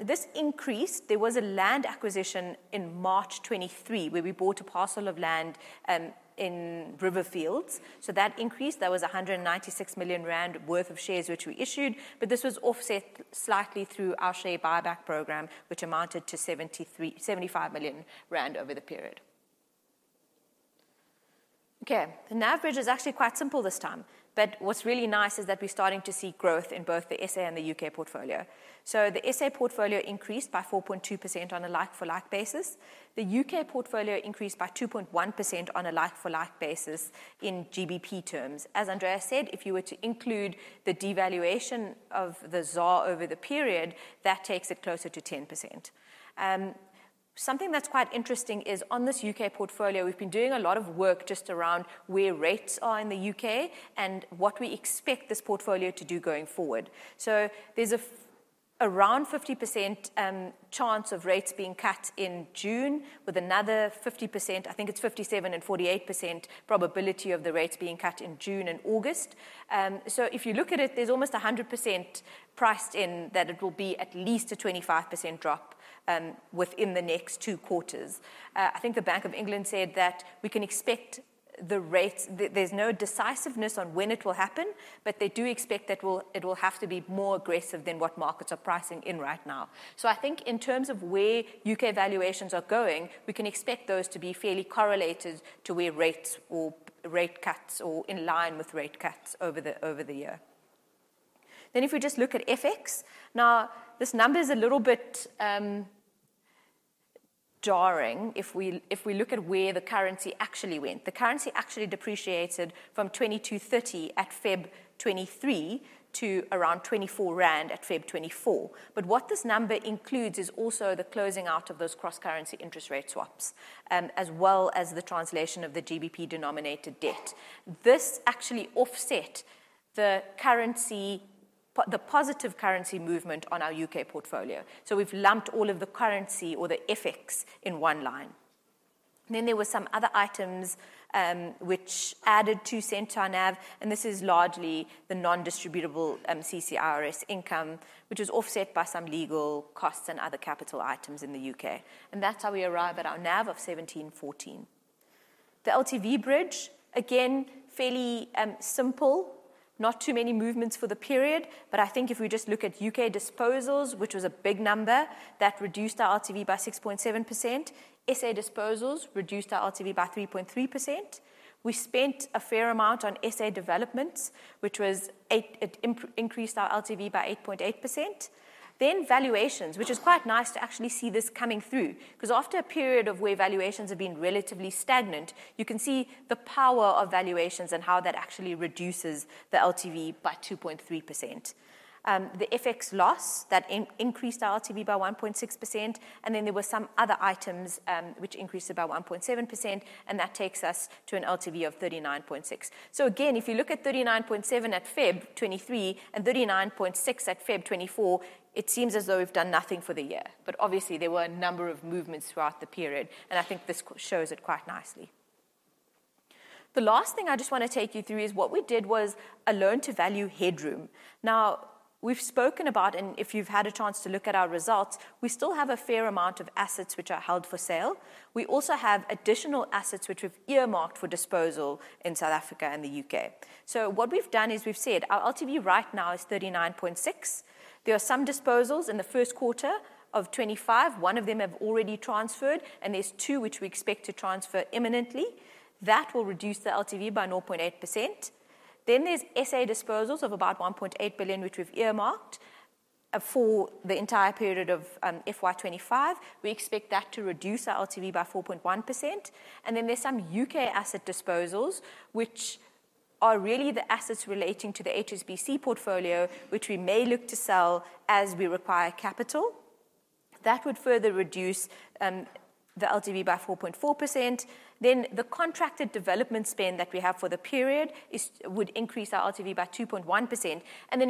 this increased. There was a land acquisition in March 2023, where we bought a parcel of land in Riverfields. That increased. That was 196 million rand worth of shares, which we issued, but this was offset slightly through our share buyback program, which amounted to 73.75 million rand over the period. Okay. The NAV bridge is actually quite simple this time, but what's really nice is that we're starting to see growth in both the SA and the U.K. portfolio. The SA portfolio increased by 4.2% on a like-for-like basis. The U.K. portfolio increased by 2.1% on a like-for-like basis in GBP terms. As Andrea said, if you were to include the devaluation of the ZAR over the period, that takes it closer to 10%. Something that's quite interesting is on this U.K. portfolio, we've been doing a lot of work just around where rates are in the U.K. and what we expect this portfolio to do going forward. There's around 50% chance of rates being cut in June with another 50%, I think it's 57 and 48% probability of the rates being cut in June and August. If you look at it, there's almost a 100% priced in that it will be at least a 25% drop within the next 2 quarters. I think the Bank of England said that we can expect the rates. There's no decisiveness on when it will happen, but they do expect that it will have to be more aggressive than what markets are pricing in right now. I think in terms of where U.K. valuations are going, we can expect those to be fairly correlated to where rates or rate cuts or in line with rate cuts over the year. If we just look at FX. Now, this number is a little bit jarring if we look at where the currency actually went. The currency actually depreciated from 22.30 at February 2023 to around 24 rand at February 2024. But what this number includes is also the closing out of those cross-currency interest rate swaps, as well as the translation of the GBP denominated debt. This actually offset the currency, the positive currency movement on our U.K. portfolio. We've lumped all of the currency or the FX in one line. There were some other items, which added to centre NAV, and this is largely the non-distributable CCIRS income, which is offset by some legal costs and other capital items in the U.K. That's how we arrive at our NAV of 1,714. The LTV bridge, again, fairly simple, not too many movements for the period, but I think if we just look at U.K. disposals, which was a big number, that reduced our LTV by 6.7%. SA disposals reduced our LTV by 3.3%. We spent a fair amount on SA developments, which increased our LTV by 8.8%. Valuations, which is quite nice to actually see this coming through, 'cause after a period of where valuations have been relatively stagnant, you can see the power of valuations and how that actually reduces the LTV by 2.3%. The FX loss, that increased our LTV by 1.6%, and then there were some other items, which increased it by 1.7%, and that takes us to an LTV of 39.6. Again, if you look at 39.7 at Feb 2023 and 39.6 at Feb 2024, it seems as though we've done nothing for the year. Obviously, there were a number of movements throughout the period, and I think this shows it quite nicely. The last thing I just wanna take you through is what we did was a loan to value headroom. Now, we've spoken about, and if you've had a chance to look at our results, we still have a fair amount of assets which are held for sale. We also have additional assets which we've earmarked for disposal in South Africa and the U.K. What we've done is we've said our LTV right now is 39.6. There are some disposals in the first quarter of 2025. One of them have already transferred, and there's two which we expect to transfer imminently. That will reduce the LTV by 0.8%. Then there's SA disposals of about 1.8 billion, which we've earmarked for the entire period of FY 2025. We expect that to reduce our LTV by 4.1%. There's some U.K. asset disposals, which are really the assets relating to the HSBC portfolio, which we may look to sell as we require capital. That would further reduce the LTV by 4.4%. The contracted development spend that we have for the period is, would increase our LTV by 2.1%.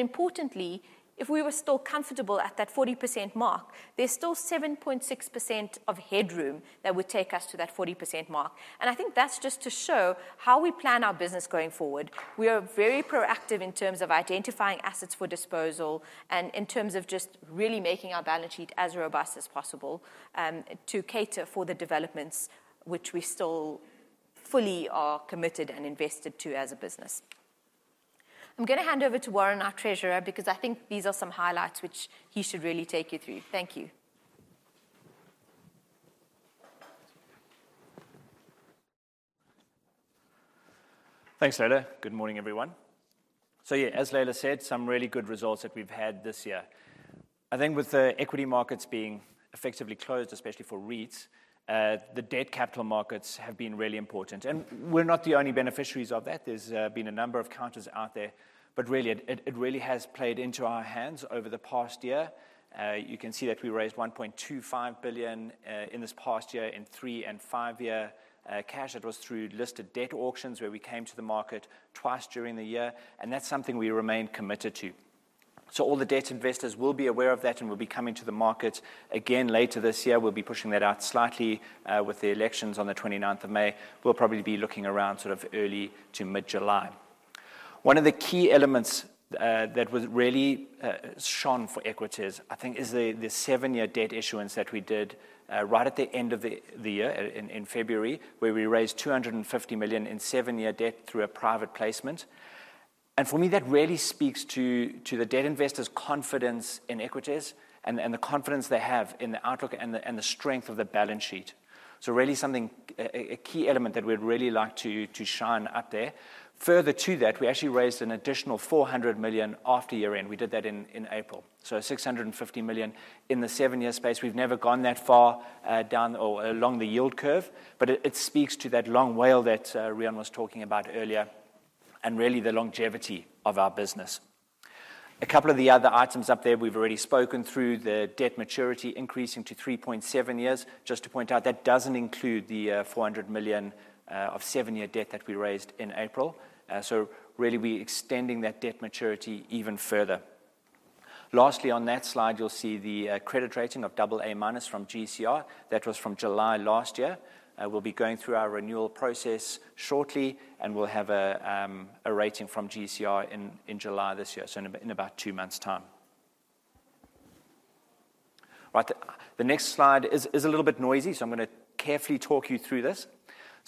Importantly, if we were still comfortable at that 40% mark, there's still 7.6% of headroom that would take us to that 40% mark. I think that's just to show how we plan our business going forward. We are very proactive in terms of identifying assets for disposal and in terms of just really making our balance sheet as robust as possible to cater for the developments which we still fully are committed and invested to as a business. I'm gonna hand over to Warren, our treasurer, because I think these are some highlights which he should really take you through. Thank you. Thanks, Laila. Good morning, everyone. Yeah, as Laila said, some really good results that we've had this year. I think with the equity markets being effectively closed, especially for REITs, the debt capital markets have been really important. We're not the only beneficiaries of that. There's been a number of counters out there, but really, it really has played into our hands over the past year. You can see that we raised 1.25 billion in this past year in 3- and 5-year cash. That was through listed debt auctions, where we came to the market twice during the year, and that's something we remain committed to. All the debt investors will be aware of that, and we'll be coming to the market again later this year. We'll be pushing that out slightly, with the elections on the twenty-ninth of May. We'll probably be looking around sort of early to mid-July. One of the key elements that was really shown for Equites, I think, is the seven-year debt issuance that we did right at the end of the year in February, where we raised 250 million in seven-year debt through a private placement. For me, that really speaks to the debt investors' confidence in Equites and the confidence they have in the outlook and the strength of the balance sheet. Really something, a key element that we'd really like to shine up there. Further to that, we actually raised an additional 400 million after year-end. We did that in April. 650 million in the seven-year space. We've never gone that far down or along the yield curve, but it speaks to that long WALE that Rian was talking about earlier, and really the longevity of our business. A couple of the other items up there, we've already spoken through, the debt maturity increasing to 3.7 years. Just to point out, that doesn't include the 400 million of seven-year debt that we raised in April. So really we extending that debt maturity even further. Lastly, on that slide, you'll see the credit rating of AA- from GCR. That was from July last year. We'll be going through our renewal process shortly, and we'll have a rating from GCR in July this year, so in about two months' time. Right. The next slide is a little bit noisy, so I'm gonna carefully talk you through this.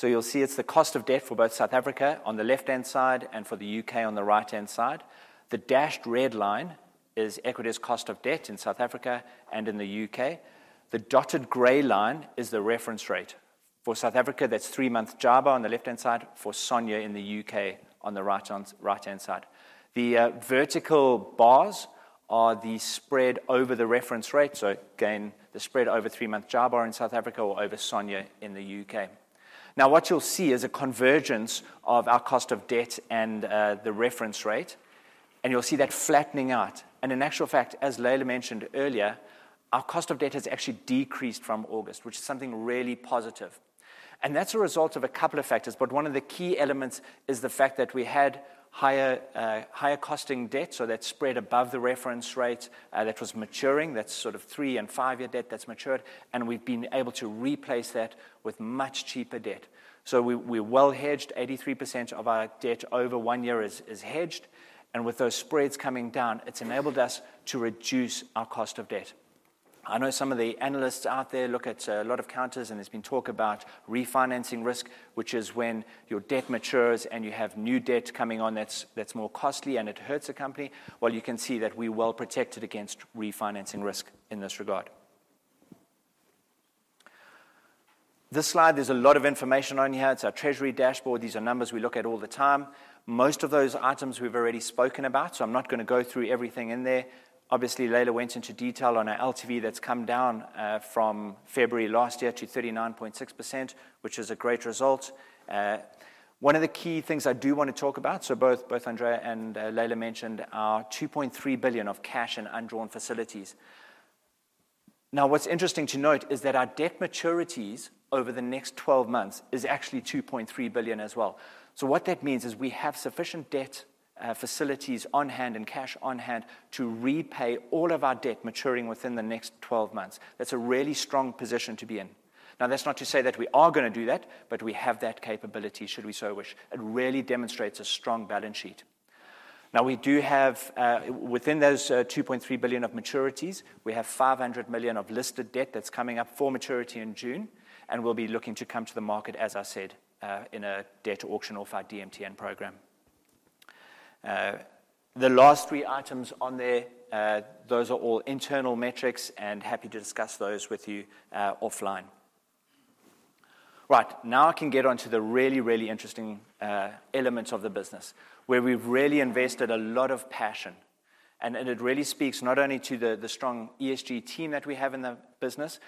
You'll see it's the cost of debt for both South Africa on the left-hand side and for the U.K. on the right-hand side. The dashed red line is Equites' cost of debt in South Africa and in the U.K. The dotted gray line is the reference rate. For South Africa, that's three-month JIBAR on the left-hand side, for SONIA in the U.K. on the right-hand side. The vertical bars are the spread over the reference rate, so again, the spread over three-month JIBAR in South Africa or over SONIA in the U.K. Now, what you'll see is a convergence of our cost of debt and the reference rate, and you'll see that flattening out. In actual fact, as Laila mentioned earlier, our cost of debt has actually decreased from August, which is something really positive. That's a result of a couple of factors, but one of the key elements is the fact that we had higher costing debt, so that spread above the reference rate that was maturing. That's sort of 3- and 5-year debt that's matured, and we've been able to replace that with much cheaper debt. We're well hedged. 83% of our debt over one year is hedged, and with those spreads coming down, it's enabled us to reduce our cost of debt. I know some of the analysts out there look at a lot of counters, and there's been talk about refinancing risk, which is when your debt matures and you have new debt coming on that's more costly and it hurts a company. Well, you can see that we're well protected against refinancing risk in this regard. This slide, there's a lot of information on here. It's our treasury dashboard. These are numbers we look at all the time. Most of those items we've already spoken about, so I'm not gonna go through everything in there. Obviously, Laila went into detail on our LTV that's come down from February last year to 39.6%, which is a great result. One of the key things I do wanna talk about, both Andrea and Laila mentioned our 2.3 billion of cash and undrawn facilities. What's interesting to note is that our debt maturities over the next 12 months is actually 2.3 billion as well. What that means is we have sufficient debt facilities on hand and cash on hand to repay all of our debt maturing within the next 12 months. That's a really strong position to be in. That's not to say that we are gonna do that, but we have that capability should we so wish. It really demonstrates a strong balance sheet. Now, we do have, within those, 2.3 billion of maturities, we have 500 million of listed debt that's coming up for maturity in June, and we'll be looking to come to the market, as I said, in a debt auction off our DMTN program. The last three items on there, those are all internal metrics, and happy to discuss those with you, offline. Right. Now I can get onto the really interesting elements of the business, where we've really invested a lot of passion. It really speaks not only to the strong ESG team that we have in the business,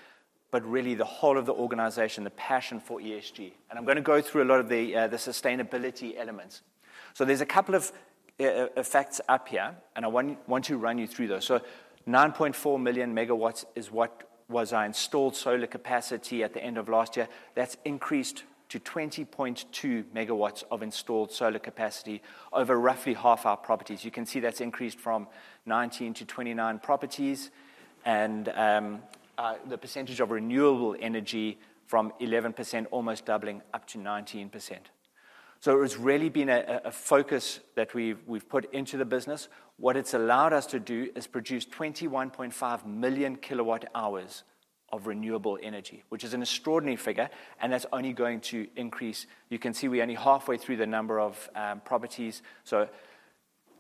but really the whole of the organization, the passion for ESG. I'm gonna go through a lot of the sustainability elements. There's a couple of facts up here, and I want to run you through those. Nine point four million megawatts is what was our installed solar capacity at the end of last year. That's increased to 20.2 MW of installed solar capacity over roughly half our properties. You can see that's increased from 19 to 29 properties and the percentage of renewable energy from 11% almost doubling up to 19%. It's really been a focus that we've put into the business. What it's allowed us to do is produce 21.5 million kWh of renewable energy, which is an extraordinary figure, and that's only going to increase. You can see we're only halfway through the number of properties, so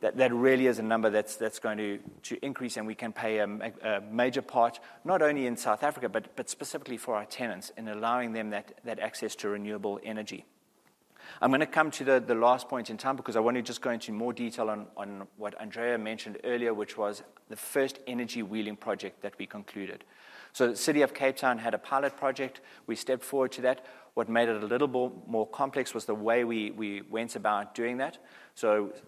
that really is a number that's going to increase, and we can play a major part, not only in South Africa, but specifically for our tenants in allowing them that access to renewable energy. I'm gonna come to the last point in time because I wanna just go into more detail on what Andrea mentioned earlier, which was the first energy wheeling project that we concluded. The City of Cape Town had a pilot project. We stepped forward to that. What made it a little more complex was the way we went about doing that.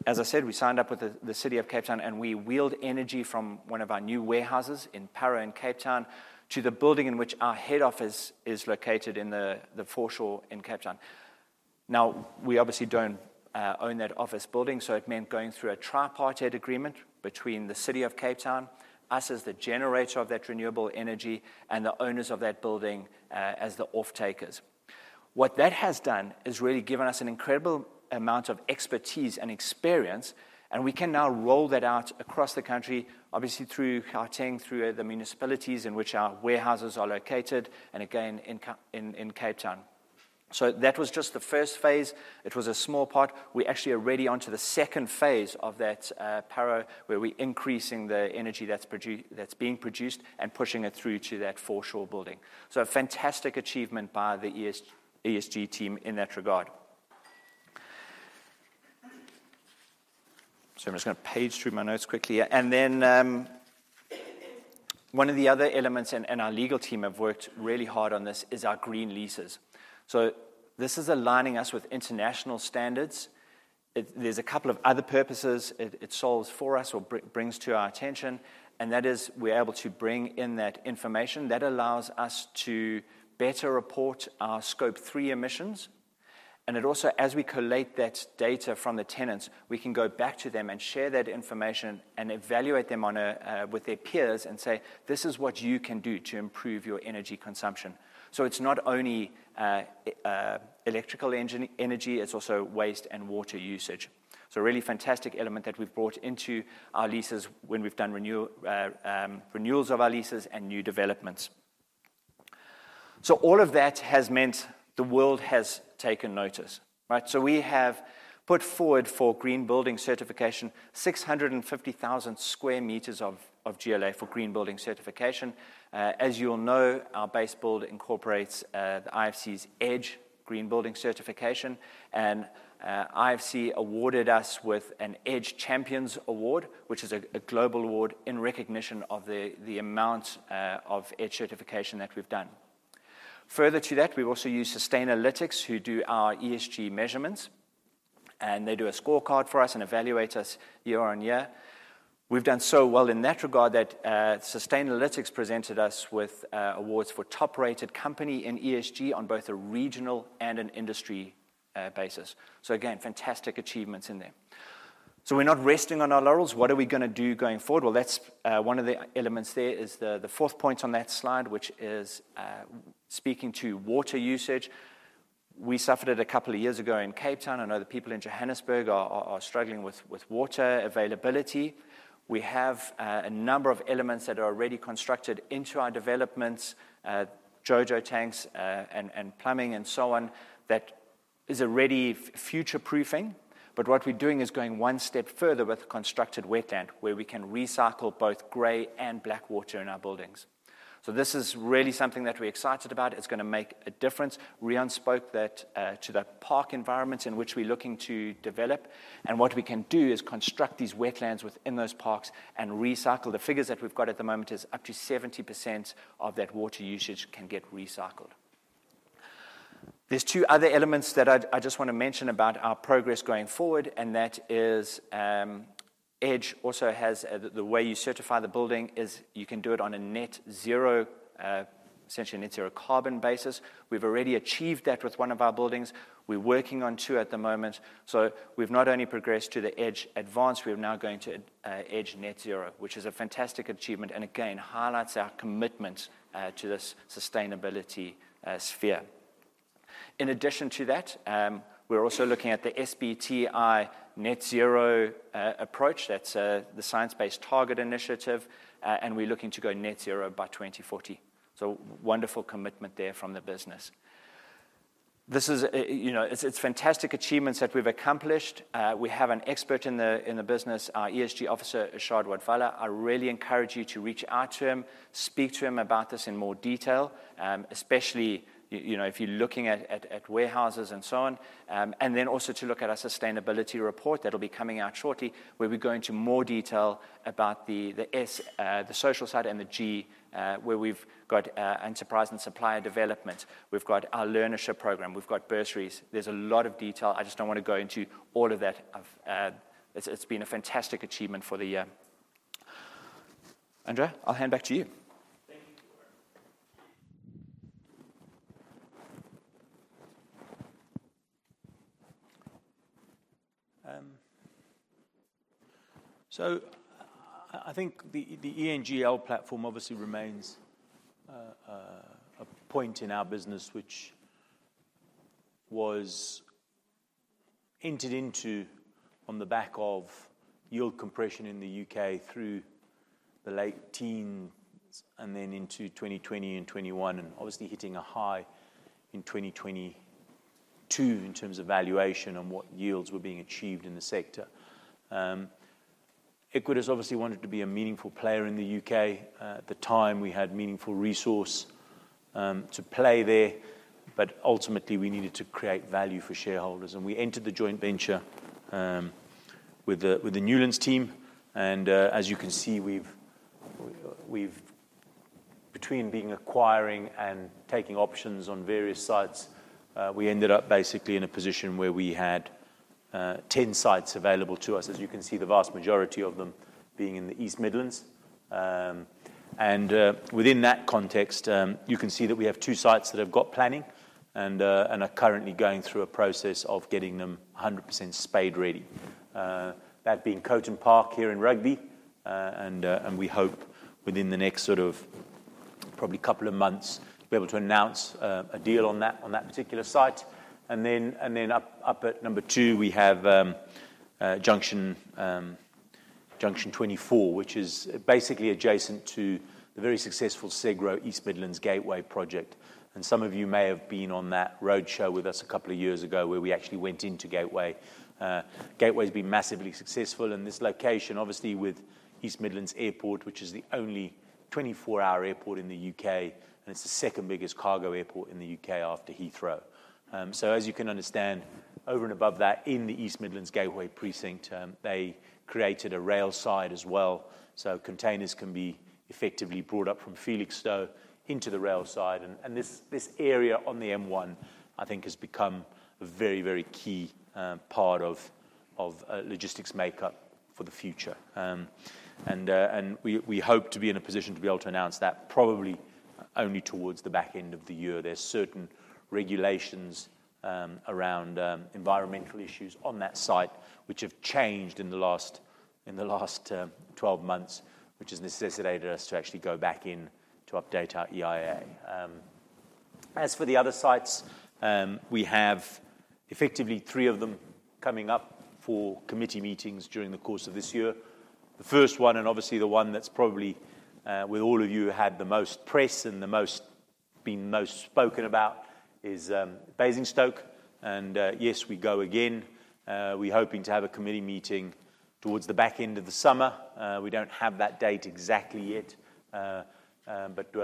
As I said, we signed up with the City of Cape Town, and we wheeled energy from one of our new warehouses in Parow in Cape Town to the building in which our head office is located in the Foreshore in Cape Town. Now, we obviously don't own that office building, so it meant going through a tripartite agreement between the City of Cape Town, us as the generator of that renewable energy, and the owners of that building as the off-takers. What that has done is really given us an incredible amount of expertise and experience, and we can now roll that out across the country, obviously through Gauteng, through the municipalities in which our warehouses are located, and again in Cape Town. That was just the first phase. It was a small part. We actually are already onto the second phase of that, Parow, where we're increasing the energy that's being produced and pushing it through to that foreshore building. A fantastic achievement by the ESG team in that regard. I'm just gonna page through my notes quickly. One of the other elements, our legal team have worked really hard on this, is our green leases. This is aligning us with international standards. There's a couple of other purposes it solves for us or brings to our attention, and that is we're able to bring in that information. That allows us to better report our Scope 3 emissions. It also, as we collate that data from the tenants, we can go back to them and share that information and evaluate them with their peers and say, this is what you can do to improve your energy consumption. It's not only electrical energy, it's also waste and water usage. It's a really fantastic element that we've brought into our leases when we've done renewals of our leases and new developments. All of that has meant the world has taken notice, right? We have put forward for green building certification 650,000 sq m of GLA for green building certification. As you'll know, our base build incorporates the IFC's EDGE green building certification. IFC awarded us with an EDGE Champions Award, which is a global award in recognition of the amount of EDGE certification that we've done. Further to that, we've also used Sustainalytics who do our ESG measurements. They do a scorecard for us and evaluate us year on year. We've done so well in that regard that Sustainalytics presented us with awards for top rated company in ESG on both a regional and an industry basis. Again, fantastic achievements in there. We're not resting on our laurels. What are we going to do going forward? Well, that's one of the elements there is the fourth point on that slide, which is speaking to water usage. We suffered it a couple of years ago in Cape Town. I know the people in Johannesburg are struggling with water availability. We have a number of elements that are already constructed into our developments, JoJo tanks and plumbing and so on, that is already future proofing. What we're doing is going one step further with constructed wetland where we can recycle both gray and black water in our buildings. This is really something that we're excited about. It's going to make a difference. Rian spoke that to the park environments in which we're looking to develop. What we can do is construct these wetlands within those parks and recycle. The figures that we've got at the moment is up to 70% of that water usage can get recycled. There's two other elements that I just want to mention about our progress going forward. That is EDGE also has the way you certify the building is you can do it on a net zero, essentially net zero carbon basis. We've already achieved that with one of our buildings. We're working on two at the moment. We've not only progressed to the EDGE Advanced, we're now going to EDGE Net Zero, which is a fantastic achievement. Again, highlights our commitment to this sustainability sphere. In addition to that, we're also looking at the SBTI net zero approach. That's the Science Based Targets initiative. We're looking to go net zero by 2040. Wonderful commitment there from the business. This is, you know, it's fantastic achievements that we've accomplished. We have an expert in the business, our ESG officer, Irshaad Wadvalla. I really encourage you to reach out to him, speak to him about this in more detail, especially, you know, if you're looking at warehouses and so on. Then also to look at our sustainability report that'll be coming out shortly, where we go into more detail about the S, the social side and the G, where we've got enterprise and supplier development. We've got our learnership program. We've got bursaries. There's a lot of detail. I just don't want to go into all of that. It's been a fantastic achievement for the year. Andrea, I'll hand back to you. Thank you. I think the ENGL platform obviously remains a point in our business which was entered into on the back of yield compression in the U.K. through the late teens and then into 2020 and 2021 and obviously hitting a high in 2022 in terms of valuation and what yields were being achieved in the sector. Equites obviously wanted to be a meaningful player in the U.K. At the time, we had meaningful resource to play there, but ultimately we needed to create value for shareholders. We entered the joint venture with the Newlands team. As you can see, we've between acquiring and taking options on various sites, we ended up basically in a position where we had 10 sites available to us. As you can see, the vast majority of them being in the East Midlands. Within that context, you can see that we have two sites that have got planning and are currently going through a process of getting them 100% shovel ready. That being Coton Park here in Rugby. We hope within the next sort of probably couple of months to be able to announce a deal on that particular site. Then up at number two, we have Junction 24, which is basically adjacent to the very successful SEGRO East Midlands Gateway project. Some of you may have been on that road show with us a couple of years ago where we actually went into Gateway. Gateway has been massively successful in this location, obviously with East Midlands Airport, which is the only 24-hour airport in the U.K. It's the second biggest cargo airport in the U.K. after Heathrow. As you can understand, over and above that in the East Midlands Gateway precinct, they created a rail side as well. Containers can be effectively brought up from Felixstowe into the rail side. This area on the M1, I think has become a very, very key part of logistics make up for the future. We hope to be in a position to be able to announce that probably only towards the back end of the year. There's certain regulations around environmental issues on that site which have changed in the last 12 months, which has necessitated us to actually go back in to update our EIA. As for the other sites, we have effectively three of them coming up for committee meetings during the course of this year. The first one, and obviously the one that's probably with all of you had the most press and the most been most spoken about is Basingstoke. Yes, we go again. We're hoping to have a committee meeting towards the back end of the summer. We don't have that date exactly yet. But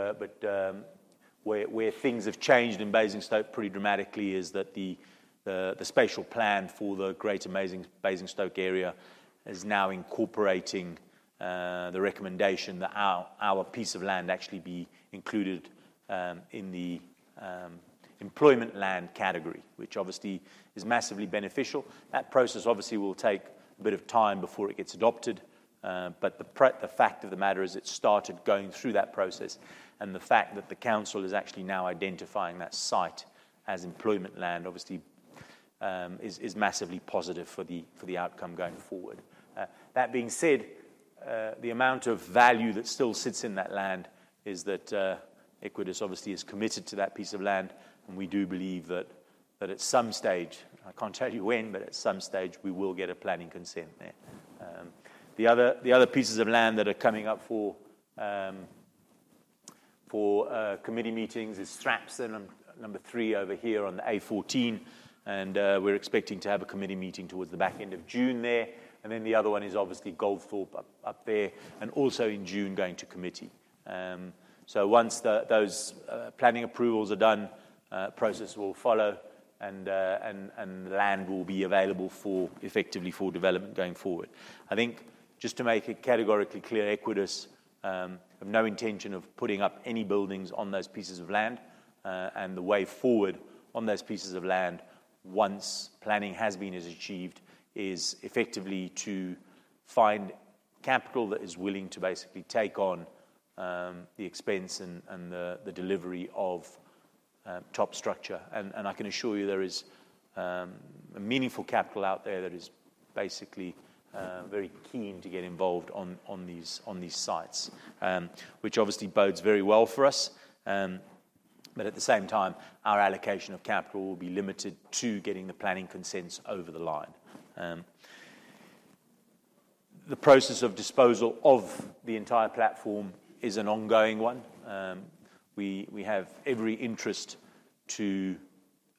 where things have changed in Basingstoke pretty dramatically is that the spatial plan for the Greater Basingstoke area is now incorporating the recommendation that our piece of land actually be included in the employment land category, which obviously is massively beneficial. That process obviously will take a bit of time before it gets adopted, but the fact of the matter is it started going through that process, and the fact that the council is actually now identifying that site as employment land obviously is massively positive for the outcome going forward. That being said, the amount of value that still sits in that land is that Equites obviously is committed to that piece of land, and we do believe that at some stage, I can't tell you when, but at some stage we will get a planning consent there. The other pieces of land that are coming up for committee meetings is Straps, and number 3 over here on the A14, and we're expecting to have a committee meeting towards the back end of June there. The other one is obviously Goldthorpe up there, and also in June going to committee. Once those planning approvals are done, process will follow and land will be available effectively for development going forward. I think just to make it categorically clear, Equites have no intention of putting up any buildings on those pieces of land, and the way forward on those pieces of land once planning has been achieved, is effectively to find capital that is willing to basically take on the expense and the delivery of top structure. I can assure you there is a meaningful capital out there that is basically very keen to get involved on these sites, which obviously bodes very well for us. But at the same time, our allocation of capital will be limited to getting the planning consents over the line. The process of disposal of the entire platform is an ongoing one. We have every interest to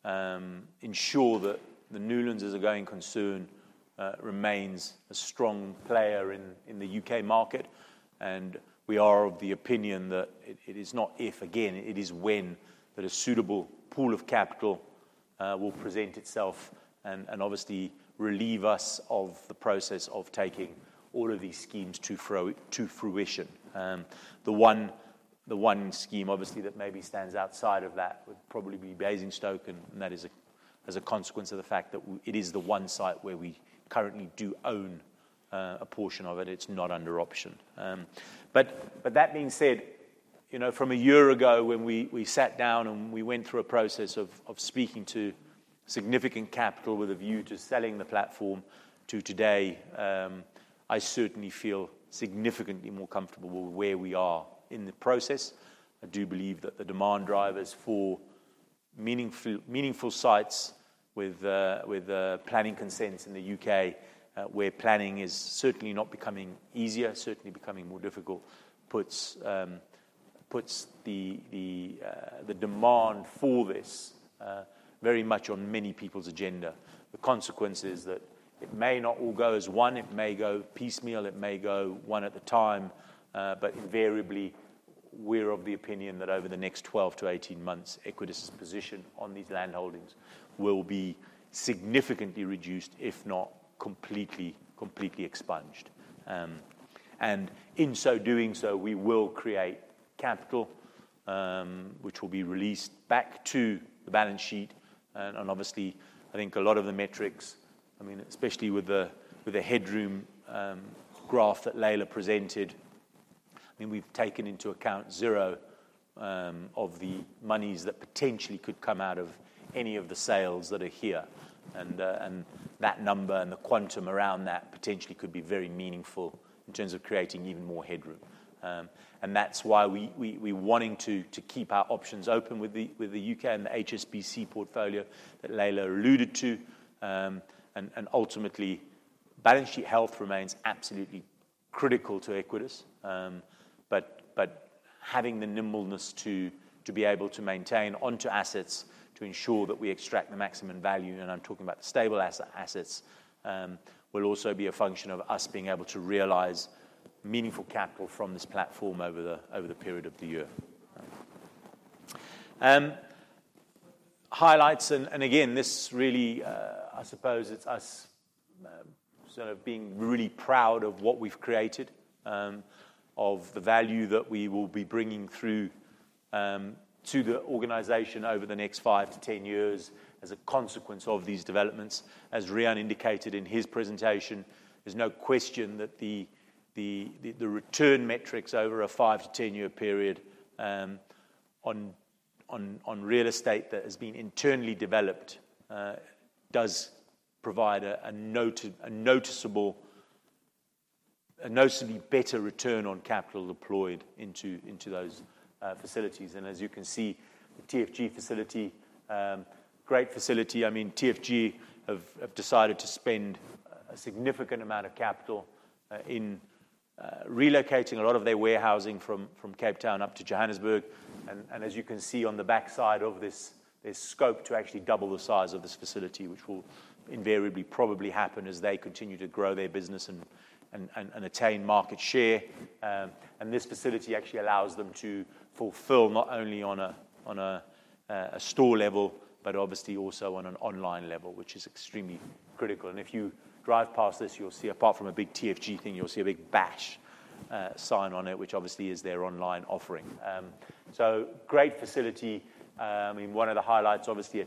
ensure that the Newlands as a going concern remains a strong player in the U.K. market. We are of the opinion that it is not if, again, it is when that a suitable pool of capital will present itself and obviously relieve us of the process of taking all of these schemes to fruition. The one scheme obviously that maybe stands outside of that would probably be Basingstoke, and that is, as a consequence of the fact that it is the one site where we currently do own a portion of it. It's not under option. That being said, you know, from a year ago when we sat down and we went through a process of speaking to significant capital with a view to selling the platform to today, I certainly feel significantly more comfortable with where we are in the process. I do believe that the demand drivers for meaningful sites with planning consents in the U.K., where planning is certainly not becoming easier, certainly becoming more difficult, puts the demand for this very much on many people's agenda. The consequence is that it may not all go as one, it may go piecemeal, it may go one at a time, but invariably, we're of the opinion that over the next 12-18 months, Equites' position on these land holdings will be significantly reduced, if not completely expunged. In so doing, we will create capital, which will be released back to the balance sheet. Obviously, I think a lot of the metrics, I mean, especially with the headroom graph that Laila presented, we've taken into account zero of the monies that potentially could come out of any of the sales that are here. That number and the quantum around that potentially could be very meaningful in terms of creating even more headroom. That's why we're wanting to keep our options open with the UK and the HSBC portfolio that Laila alluded to. Ultimately, balance sheet health remains absolutely critical to Equites. Having the nimbleness to be able to maintain onto assets to ensure that we extract the maximum value, and I'm talking about the stable assets, will also be a function of us being able to realize meaningful capital from this platform over the period of the year. Highlights and again, this really, I suppose it's us sort of being really proud of what we've created, of the value that we will be bringing through to the organization over the next five to 10 years as a consequence of these developments. As Rian indicated in his presentation, there's no question that the return metrics over a 5- to 10-year period on real estate that has been internally developed does provide a noticeably better return on capital deployed into those facilities. As you can see, the TFG facility, great facility. I mean, TFG have decided to spend a significant amount of capital in relocating a lot of their warehousing from Cape Town up to Johannesburg. As you can see on the backside of this, there's scope to actually double the size of this facility, which will invariably probably happen as they continue to grow their business and attain market share. This facility actually allows them to fulfill not only on a store level, but obviously also on an online level, which is extremely critical. If you drive past this, you'll see apart from a big TFG thing, you'll see a big Bash sign on it, which obviously is their online offering. Great facility. I mean, one of the highlights, obviously a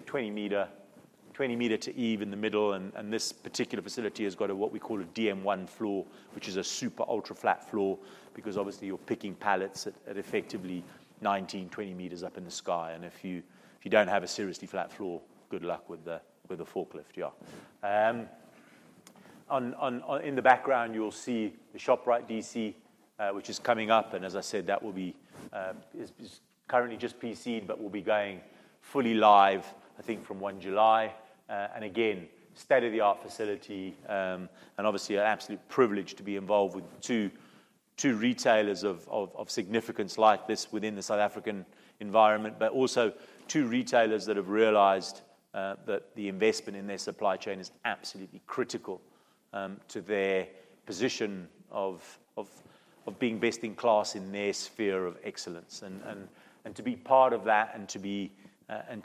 20-meter to eaves in the middle, and this particular facility has got a what we call a FM1 floor, which is a super ultra-flat floor because obviously you're picking pallets at effectively 19, 20 meters up in the sky. If you don't have a seriously flat floor, good luck with the forklift. Yeah. In the background, you'll see the Shoprite DC, which is coming up. As I said, is currently just PC, but will be going fully live, I think, from 1 July. State-of-the-art facility and obviously an absolute privilege to be involved with two retailers of significance like this within the South African environment, but also two retailers that have realized that the investment in their supply chain is absolutely critical to their position of being best in class in their sphere of excellence. To be part of that and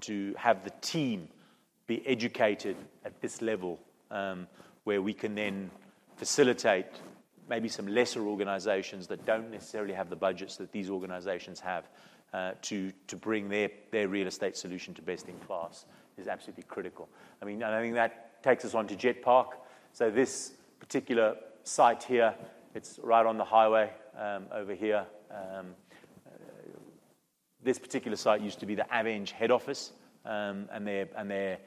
to have the team be educated at this level, where we can then facilitate maybe some lesser organizations that don't necessarily have the budgets that these organizations have, to bring their real estate solution to best in class is absolutely critical. I mean, I think that takes us on to Jet Park. This particular site here, it's right on the highway, over here. This particular site used to be the Aveng head office, and their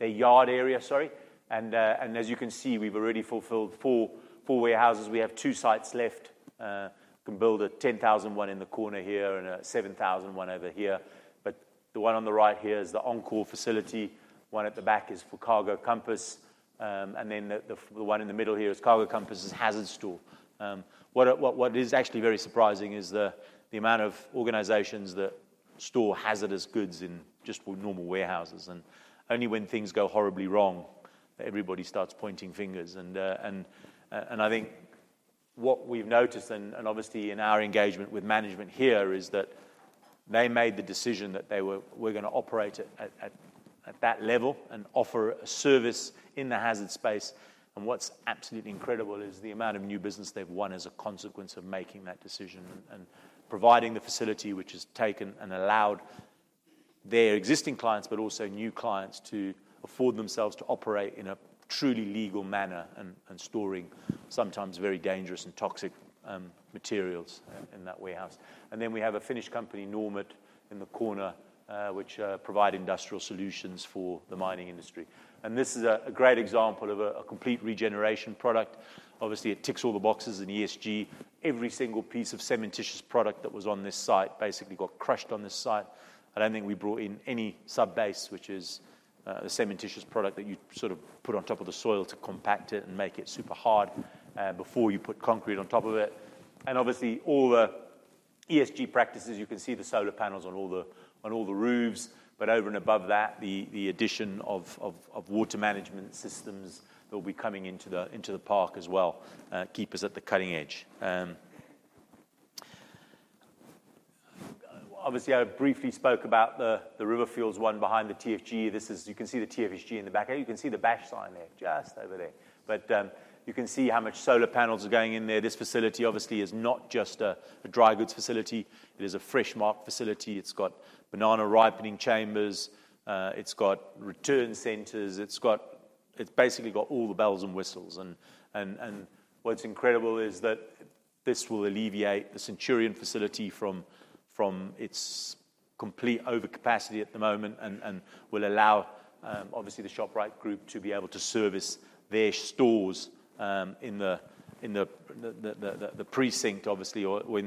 yard area, sorry. As you can see, we've already fulfilled four warehouses. We have two sites left. Can build a 10,001 in the corner here and a 7,001 over here. The one on the right here is the Encore facility. One at the back is for Cargo Compass. The one in the middle here is Cargo Compass's hazard store. What is actually very surprising is the amount of organizations that store hazardous goods in just for normal warehouses, and only when things go horribly wrong, everybody starts pointing fingers. I think what we've noticed and obviously in our engagement with management here is that they made the decision that they're going to operate at that level and offer a service in the hazard space. What's absolutely incredible is the amount of new business they've won as a consequence of making that decision and providing the facility which has taken and allowed their existing clients, but also new clients, to afford themselves to operate in a truly legal manner and storing sometimes very dangerous and toxic materials in that warehouse. Then we have a Finnish company, Normet, in the corner, which provide industrial solutions for the mining industry. This is a great example of a complete regeneration product. Obviously, it ticks all the boxes in ESG. Every single piece of cementitious product that was on this site basically got crushed on this site. I don't think we brought in any sub-base, which is a cementitious product that you sort of put on top of the soil to compact it and make it super hard before you put concrete on top of it. Obviously, all the ESG practices, you can see the solar panels on all the roofs. Over and above that, the addition of water management systems that will be coming into the park as well keep us at the cutting edge. Obviously, I briefly spoke about the Riverfields one behind the TFG. This is. You can see the TFG in the back. You can see the Bash sign there, just over there. You can see how much solar panels are going in there. This facility obviously is not just a dry goods facility. It is a Freshmark facility. It's got banana ripening chambers. It's got return centers. It's basically got all the bells and whistles. What's incredible is that this will alleviate the Centurion facility from its complete overcapacity at the moment and will allow obviously the Shoprite group to be able to service their stores in the precinct obviously or in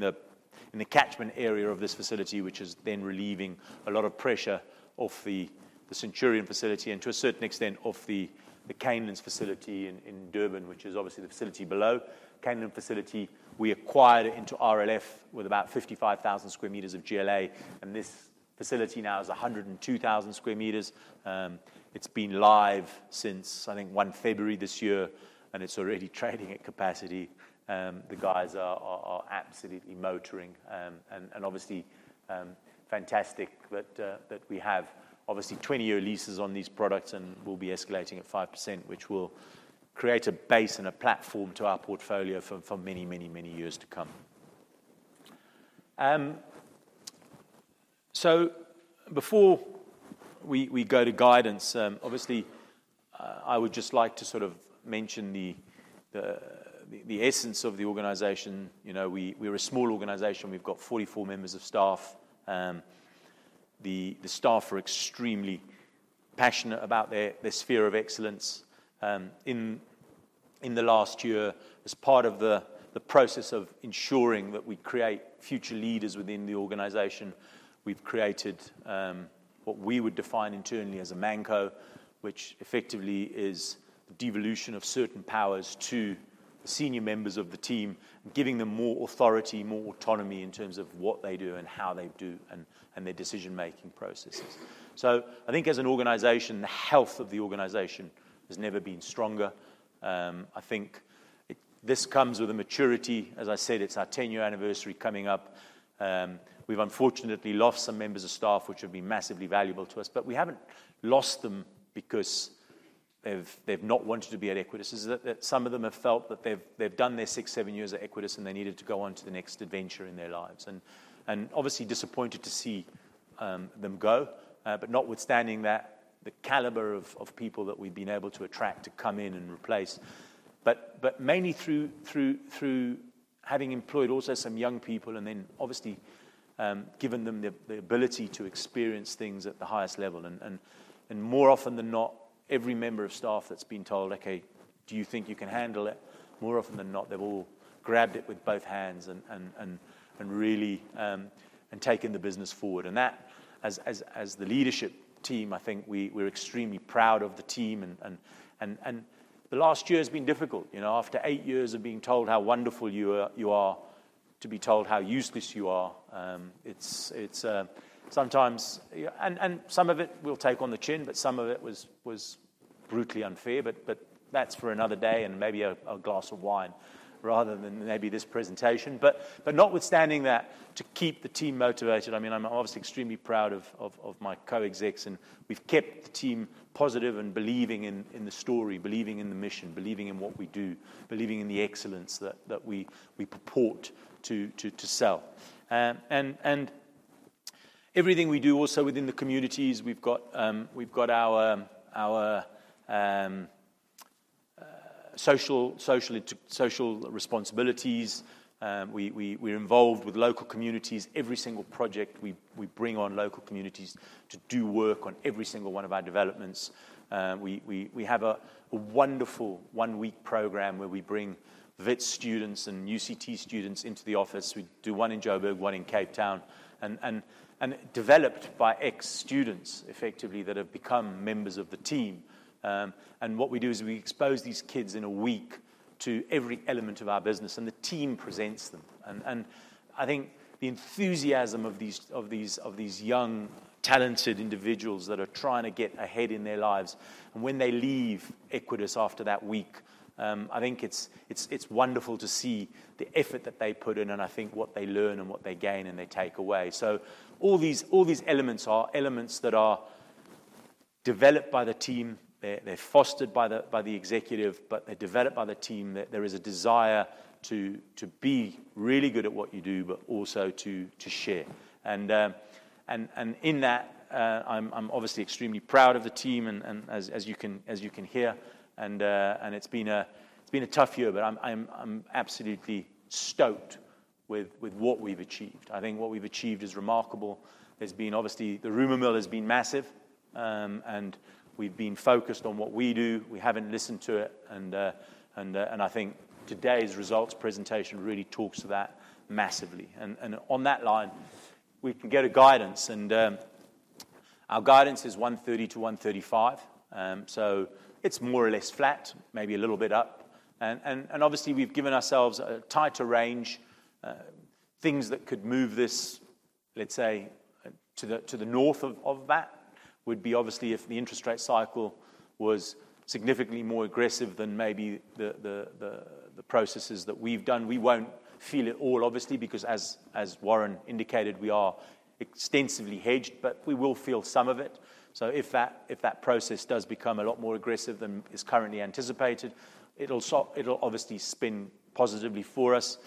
the catchment area of this facility, which is then relieving a lot of pressure off the Centurion facility and to a certain extent off the Canelands facility in Durban, which is obviously the facility below. Canelands facility, we acquired it into RLF with about 55,000 sq m of GLA, and this facility now is 102,000 sq m. It's been live since, I think, 1 February this year, and it's already trading at capacity. The guys are absolutely motoring. Obviously fantastic that we have obviously 20-year leases on these products and will be escalating at 5%, which will create a base and a platform to our portfolio for many years to come. Before we go to guidance, I would just like to sort of mention the essence of the organization. You know, we're a small organization. We've got 44 members of staff. The staff are extremely passionate about their sphere of excellence. In the last year, as part of the process of ensuring that we create future leaders within the organization, we've created what we would define internally as a Manco, which effectively is devolution of certain powers to senior members of the team, giving them more authority, more autonomy in terms of what they do and how they do and their decision-making processes. I think as an organization, the health of the organization has never been stronger. I think this comes with a maturity. As I said, it's our 10-year anniversary coming up. We've unfortunately lost some members of staff which have been massively valuable to us, but we haven't lost them because they've not wanted to be at Equites. Is that some of them have felt that they've done their six, seven years at Equites, and they needed to go on to the next adventure in their lives. Obviously disappointed to see them go. Notwithstanding that, the caliber of people that we've been able to attract to come in and replace. Mainly through having employed also some young people and then obviously given them the ability to experience things at the highest level. More often than not, every member of staff that's been told, "Okay, do you think you can handle it?" More often than not, they've all grabbed it with both hands and really and taken the business forward. As the leadership team, I think we're extremely proud of the team and the last year has been difficult. You know, after eight years of being told how wonderful you are to be told how useless you are, it's sometimes. Yeah, some of it we'll take on the chin, but some of it was brutally unfair. That's for another day and maybe a glass of wine rather than this presentation. Notwithstanding that, to keep the team motivated, I mean, I'm obviously extremely proud of my co-execs, and we've kept the team positive and believing in the story, believing in the mission, believing in what we do, believing in the excellence that we purport to sell. Everything we do also within the communities, we've got our social responsibilities. We're involved with local communities. Every single project, we bring on local communities to do work on every single one of our developments. We have a wonderful one-week program where we bring Wits students and UCT students into the office. We do one in Joburg, one in Cape Town, developed by ex-students effectively that have become members of the team. What we do is we expose these kids in a week to every element of our business, and the team presents them. I think the enthusiasm of these young, talented individuals that are trying to get ahead in their lives, and when they leave Equites after that week, I think it's wonderful to see the effort that they put in, and I think what they learn and what they gain and they take away. All these elements are elements that are developed by the team. They're fostered by the executive, but they're developed by the team. There is a desire to be really good at what you do, but also to share. In that, I'm obviously extremely proud of the team and as you can hear. It's been a tough year, but I'm absolutely stoked with what we've achieved. I think what we've achieved is remarkable. There's been obviously the rumor mill has been massive, and we've been focused on what we do. We haven't listened to it, and I think today's results presentation really talks to that massively. On that line, we can go to guidance, and our guidance is 130-135. So it's more or less flat, maybe a little bit up. Obviously, we've given ourselves a tighter range. Things that could move this, let's say, to the north of that would be obviously if the interest rate cycle was significantly more aggressive than maybe the processes that we've done. We won't feel it all obviously, because as Warren indicated, we are extensively hedged, but we will feel some of it. If that process does become a lot more aggressive than is currently anticipated, it'll obviously spin positively for us.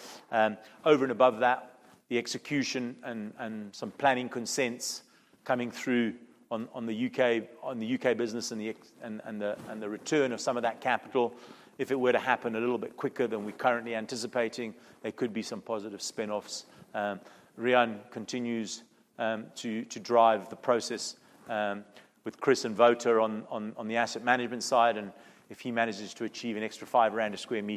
Over and above that, the execution and some planning consents coming through on the U.K. business and the return of some of that capital, if it were to happen a little bit quicker than we're currently anticipating, there could be some positive spinoffs. Rian continues to drive the process with Chris and Wouter on the asset management side. If he manages to achieve an extra 5 rand a sq m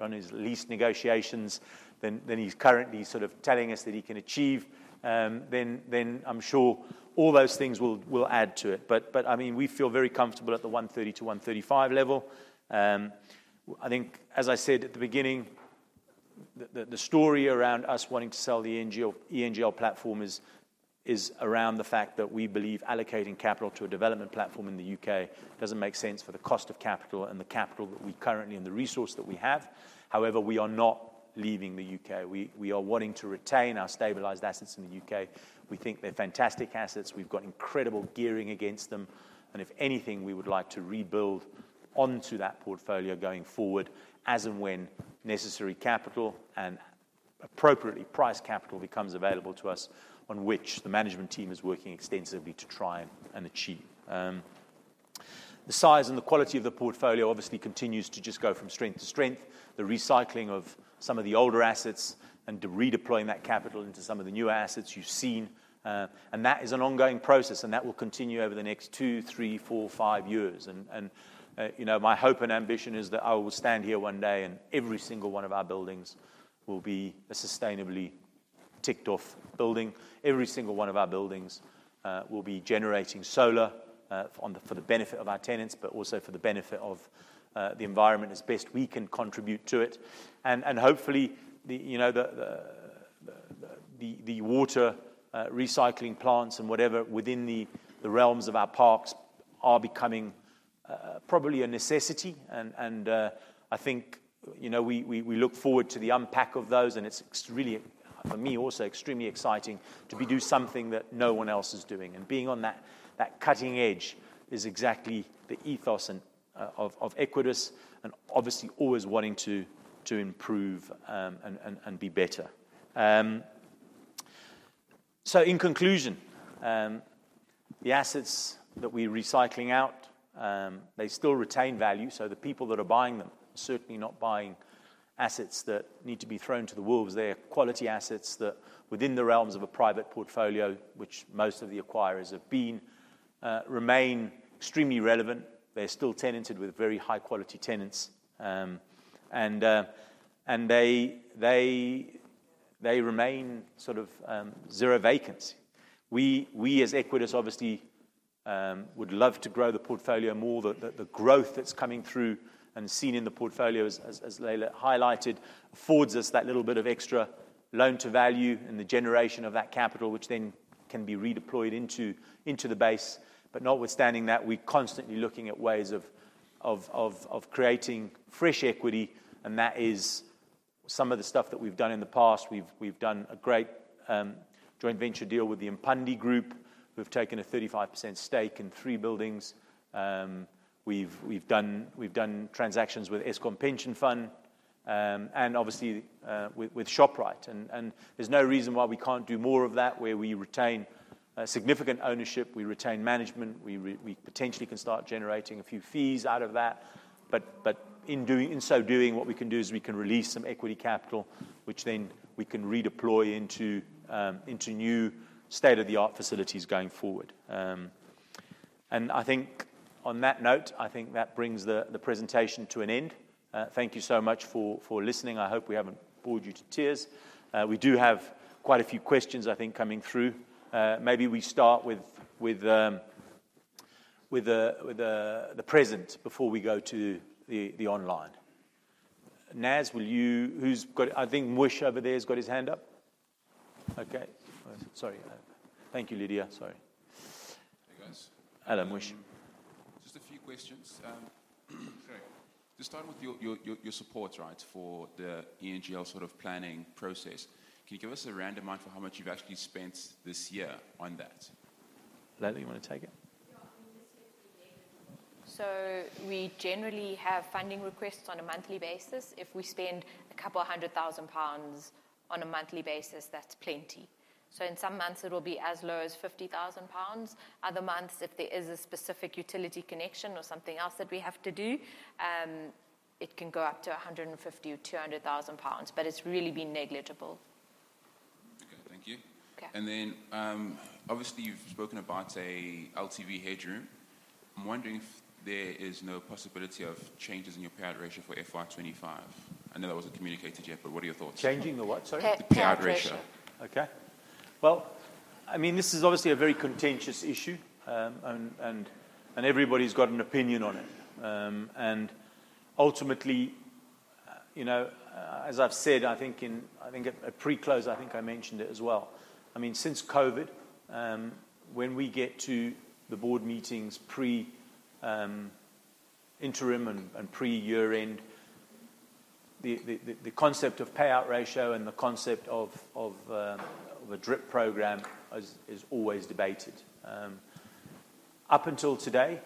on his lease negotiations than he's currently sort of telling us that he can achieve, then I'm sure all those things will add to it. I mean, we feel very comfortable at the 130-135 level. I think, as I said at the beginning, the story around us wanting to sell the ENGL platform is around the fact that we believe allocating capital to a development platform in the U.K. doesn't make sense for the cost of capital and the capital that we currently and the resource that we have. However, we are not leaving the U.K. We are wanting to retain our stabilized assets in the U.K. We think they're fantastic assets. We've got incredible gearing against them, and if anything, we would like to rebuild onto that portfolio going forward as and when necessary capital and appropriately priced capital becomes available to us, on which the management team is working extensively to try and achieve. The size and the quality of the portfolio obviously continues to just go from strength to strength. The recycling of some of the older assets and de-redeploying that capital into some of the newer assets you've seen, and that is an ongoing process, and that will continue over the next 2, 3, 4, 5 years. You know, my hope and ambition is that I will stand here one day, and every single one of our buildings will be a sustainably ticked off building. Every single one of our buildings will be generating solar for the benefit of our tenants, but also for the benefit of the environment as best we can contribute to it. Hopefully, you know, the water recycling plants and whatever within the realms of our parks are becoming probably a necessity. I think, you know, we look forward to the unpack of those, and it's really for me also extremely exciting to be doing something that no one else is doing. Being on that cutting edge is exactly the ethos of Equites and obviously always wanting to improve and be better. In conclusion, the assets that we're recycling out, they still retain value, so the people that are buying them are certainly not buying assets that need to be thrown to the wolves. They are quality assets that within the realms of a private portfolio, which most of the acquirers have been, remain extremely relevant. They're still tenanted with very high-quality tenants. And they remain sort of zero vacancy. We as Equites obviously would love to grow the portfolio more. The growth that's coming through and seen in the portfolio as Laila highlighted affords us that little bit of extra loan-to-value and the generation of that capital, which then can be redeployed into the base. Notwithstanding that, we're constantly looking at ways of creating fresh equity, and that is some of the stuff that we've done in the past. We've done a great joint venture deal with the Imbali Group, who have taken a 35% stake in three buildings. We've done transactions with Eskom Pension Fund, and obviously with Shoprite. There's no reason why we can't do more of that, where we retain significant ownership, we retain management, we potentially can start generating a few fees out of that. In so doing, what we can do is we can release some equity capital, which then we can redeploy into new state-of-the-art facilities going forward. I think on that note, I think that brings the presentation to an end. Thank you so much for listening. I hope we haven't bored you to tears. We do have quite a few questions, I think, coming through. Maybe we start with the present before we go to the online. Naz, will you? Who's got? I think Mush over there has got his hand up. Okay. Sorry. Thank you, Lydia. Sorry. Hey, guys. Hello, Mush. Just a few questions. Sorry. To start with your support, right, for the ENGL sort of planning process, can you give us a random amount for how much you've actually spent this year on that? Laila, you wanna take it? Yeah. I mean, this is the beginning. We generally have funding requests on a monthly basis. If we spend a couple of hundred thousand pounds on a monthly basis, that's plenty. In some months, it'll be as low as 50,000 pounds. Other months, if there is a specific utility connection or something else that we have to do, it can go up to 150,000 or 200,000 pounds, but it's really been negligible. Okay. Thank you. Okay. Obviously you've spoken about a LTV headroom. I'm wondering if there is no possibility of changes in your payout ratio for FY 2025. I know that wasn't communicated yet, but what are your thoughts? Changing of what, sorry? Payout ratio. Payout ratio. Okay. Well, I mean, this is obviously a very contentious issue. Everybody's got an opinion on it. Ultimately, you know, as I've said, I think at pre-close, I think I mentioned it as well. I mean, since COVID, when we get to the board meetings pre-interim and pre-year-end, the concept of payout ratio and the concept of a DRIP program is always debated. Up until today,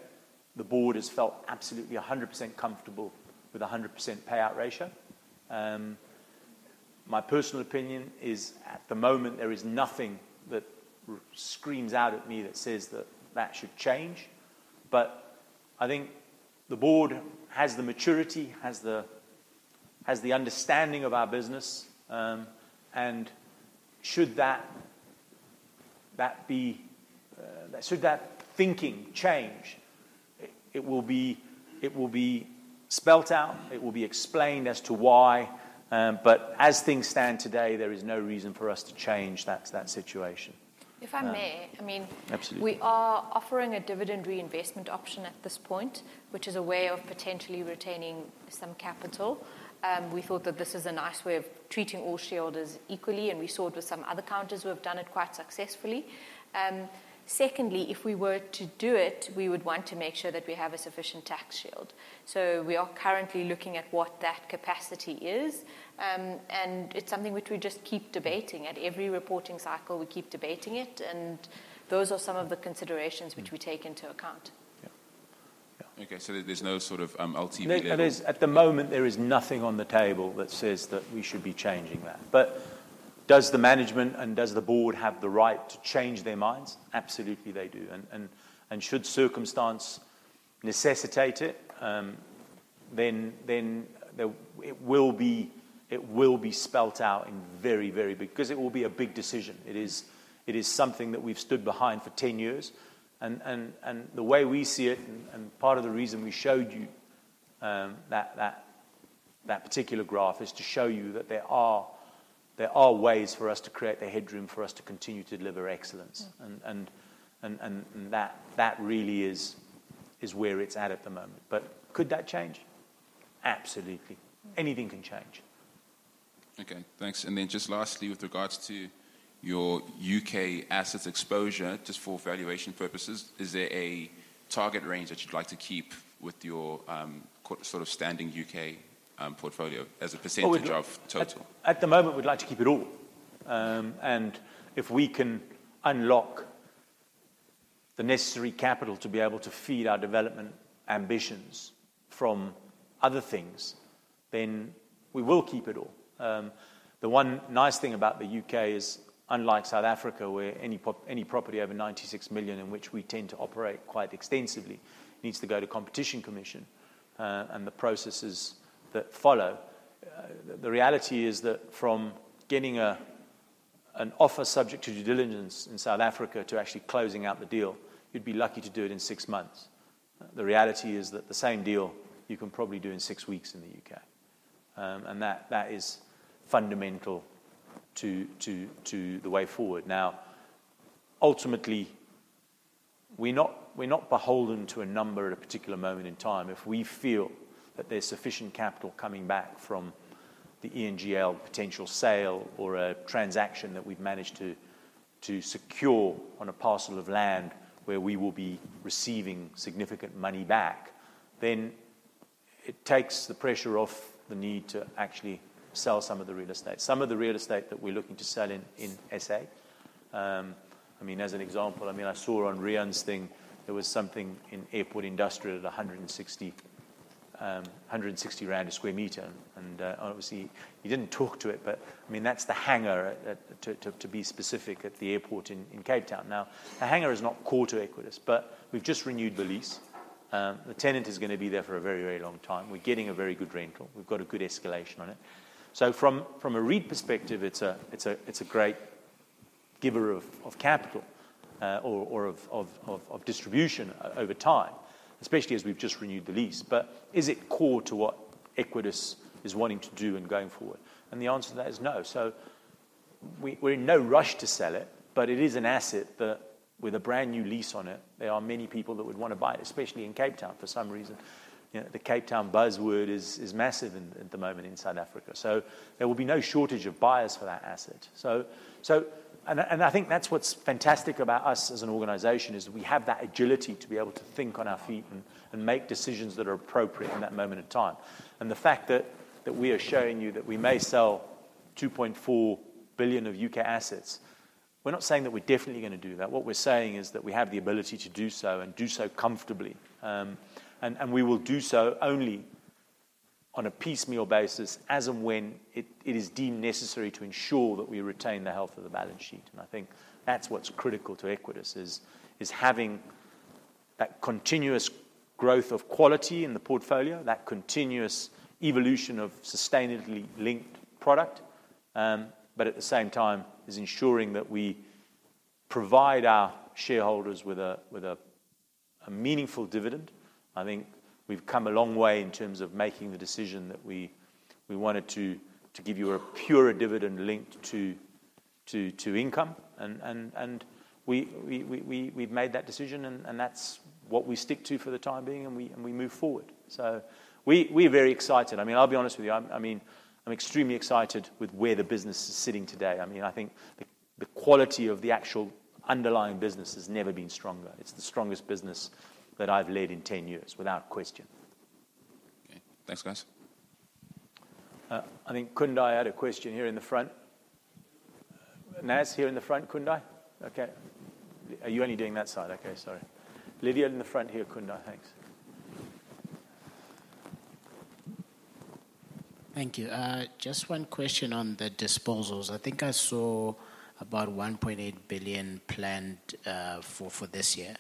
the board has felt absolutely 100% comfortable with a 100% payout ratio. My personal opinion is, at the moment, there is nothing that screams out at me that says that should change. I think the board has the maturity, has the understanding of our business, and should that thinking change, it will be spelled out, it will be explained as to why, but as things stand today, there is no reason for us to change that situation. If I may, I mean. Absolutely. We are offering a dividend reinvestment option at this point, which is a way of potentially retaining some capital. We thought that this is a nice way of treating all shareholders equally, and we saw it with some other counters who have done it quite successfully. Secondly, if we were to do it, we would want to make sure that we have a sufficient tax shield. We are currently looking at what that capacity is, and it's something which we just keep debating. At every reporting cycle, we keep debating it, and those are some of the considerations which we take into account. Yeah. Okay, there's no sort of LTV level? At the moment, there is nothing on the table that says that we should be changing that. Does the management and does the board have the right to change their minds? Absolutely, they do. Should circumstance necessitate it will be spelled out in very big letters. Because it will be a big decision. It is something that we've stood behind for 10 years. The way we see it and part of the reason we showed you that particular graph is to show you that there are ways for us to create the headroom for us to continue to deliver excellence. Mm-hmm. that really is where it's at the moment. Could that change? Absolutely. Anything can change. Okay, thanks. Just lastly, with regards to your U.K. assets exposure, just for valuation purposes, is there a target range that you'd like to keep with your sort of standing U.K. portfolio as a percentage of total? At the moment, we'd like to keep it all. If we can unlock the necessary capital to be able to feed our development ambitions from other things, then we will keep it all. The one nice thing about the U.K. is, unlike South Africa, where any property over 96 million, in which we tend to operate quite extensively, needs to go to Competition Commission, and the processes that follow. The reality is that from getting an offer subject to due diligence in South Africa to actually closing out the deal, you'd be lucky to do it in 6 months. The reality is that the same deal you can probably do in 6 weeks in the U.K. That is fundamental to the way forward. Now, ultimately, we're not beholden to a number at a particular moment in time. If we feel that there's sufficient capital coming back from the ENGL potential sale or a transaction that we've managed to secure on a parcel of land where we will be receiving significant money back, then it takes the pressure off the need to actually sell some of the real estate. Some of the real estate that we're looking to sell in SA, I mean, as an example, I mean, I saw on Rian's thing, there was something in Airport Industrial at 160 sq m. Obviously, you didn't talk to it, but I mean, that's the hangar, to be specific, at the airport in Cape Town. Now, the hangar is not core to Equites, but we've just renewed the lease. The tenant is gonna be there for a very long time. We're getting a very good rental. We've got a good escalation on it. From a REIT perspective, it's a great giver of capital or of distribution over time, especially as we've just renewed the lease. Is it core to what Equites is wanting to do going forward? The answer to that is no. We're in no rush to sell it, but it is an asset that with a brand-new lease on it, there are many people that would wanna buy it, especially in Cape Town for some reason. You know, the Cape Town buzzword is massive at the moment in South Africa. There will be no shortage of buyers for that asset. I think that's what's fantastic about us as an organization, is that we have that agility to be able to think on our feet and make decisions that are appropriate in that moment in time. The fact that we are showing you that we may sell 2.4 billion of U.K. assets, we're not saying that we're definitely gonna do that. What we're saying is that we have the ability to do so and do so comfortably. We will do so only on a piecemeal basis as and when it is deemed necessary to ensure that we retain the health of the balance sheet. I think that's what's critical to Equites, is having that continuous growth of quality in the portfolio, that continuous evolution of sustainability-linked product, but at the same time is ensuring that we provide our shareholders with a meaningful dividend. I think we've come a long way in terms of making the decision that we wanted to give you a purer dividend linked to income. We've made that decision, and that's what we stick to for the time being, and we move forward. We're very excited. I mean, I'll be honest with you. I mean, I'm extremely excited with where the business is sitting today. I mean, I think the quality of the actual underlying business has never been stronger. It's the strongest business that I've led in 10 years, without question. Okay. Thanks, guys. I think Kundai had a question here in the front. Naz, here in the front. Kundai? Okay. Are you only doing that side? Okay, sorry. Lydia in the front here, Kundai. Thanks. Thank you. Just one question on the disposals. I think I saw about 1.8 billion planned for this year.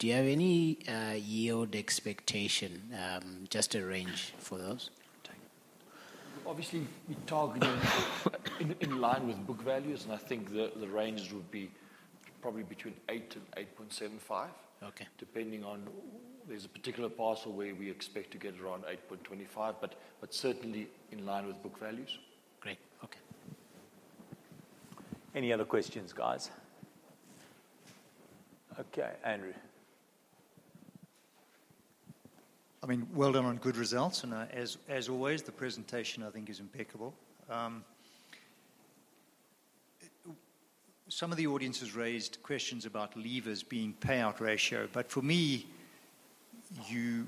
Do you have any yield expectation, just a range for those? Thank you. Obviously, we target in line with book values, and I think the ranges would be probably between 8 and 8.75. Okay. There's a particular parcel where we expect to get around 8.25%, but certainly in line with book values. Great. Okay. Any other questions, guys? Okay, Andrew. I mean, well done on good results. As always, the presentation, I think, is impeccable. Some of the audience has raised questions about levers being payout ratio. For me, you-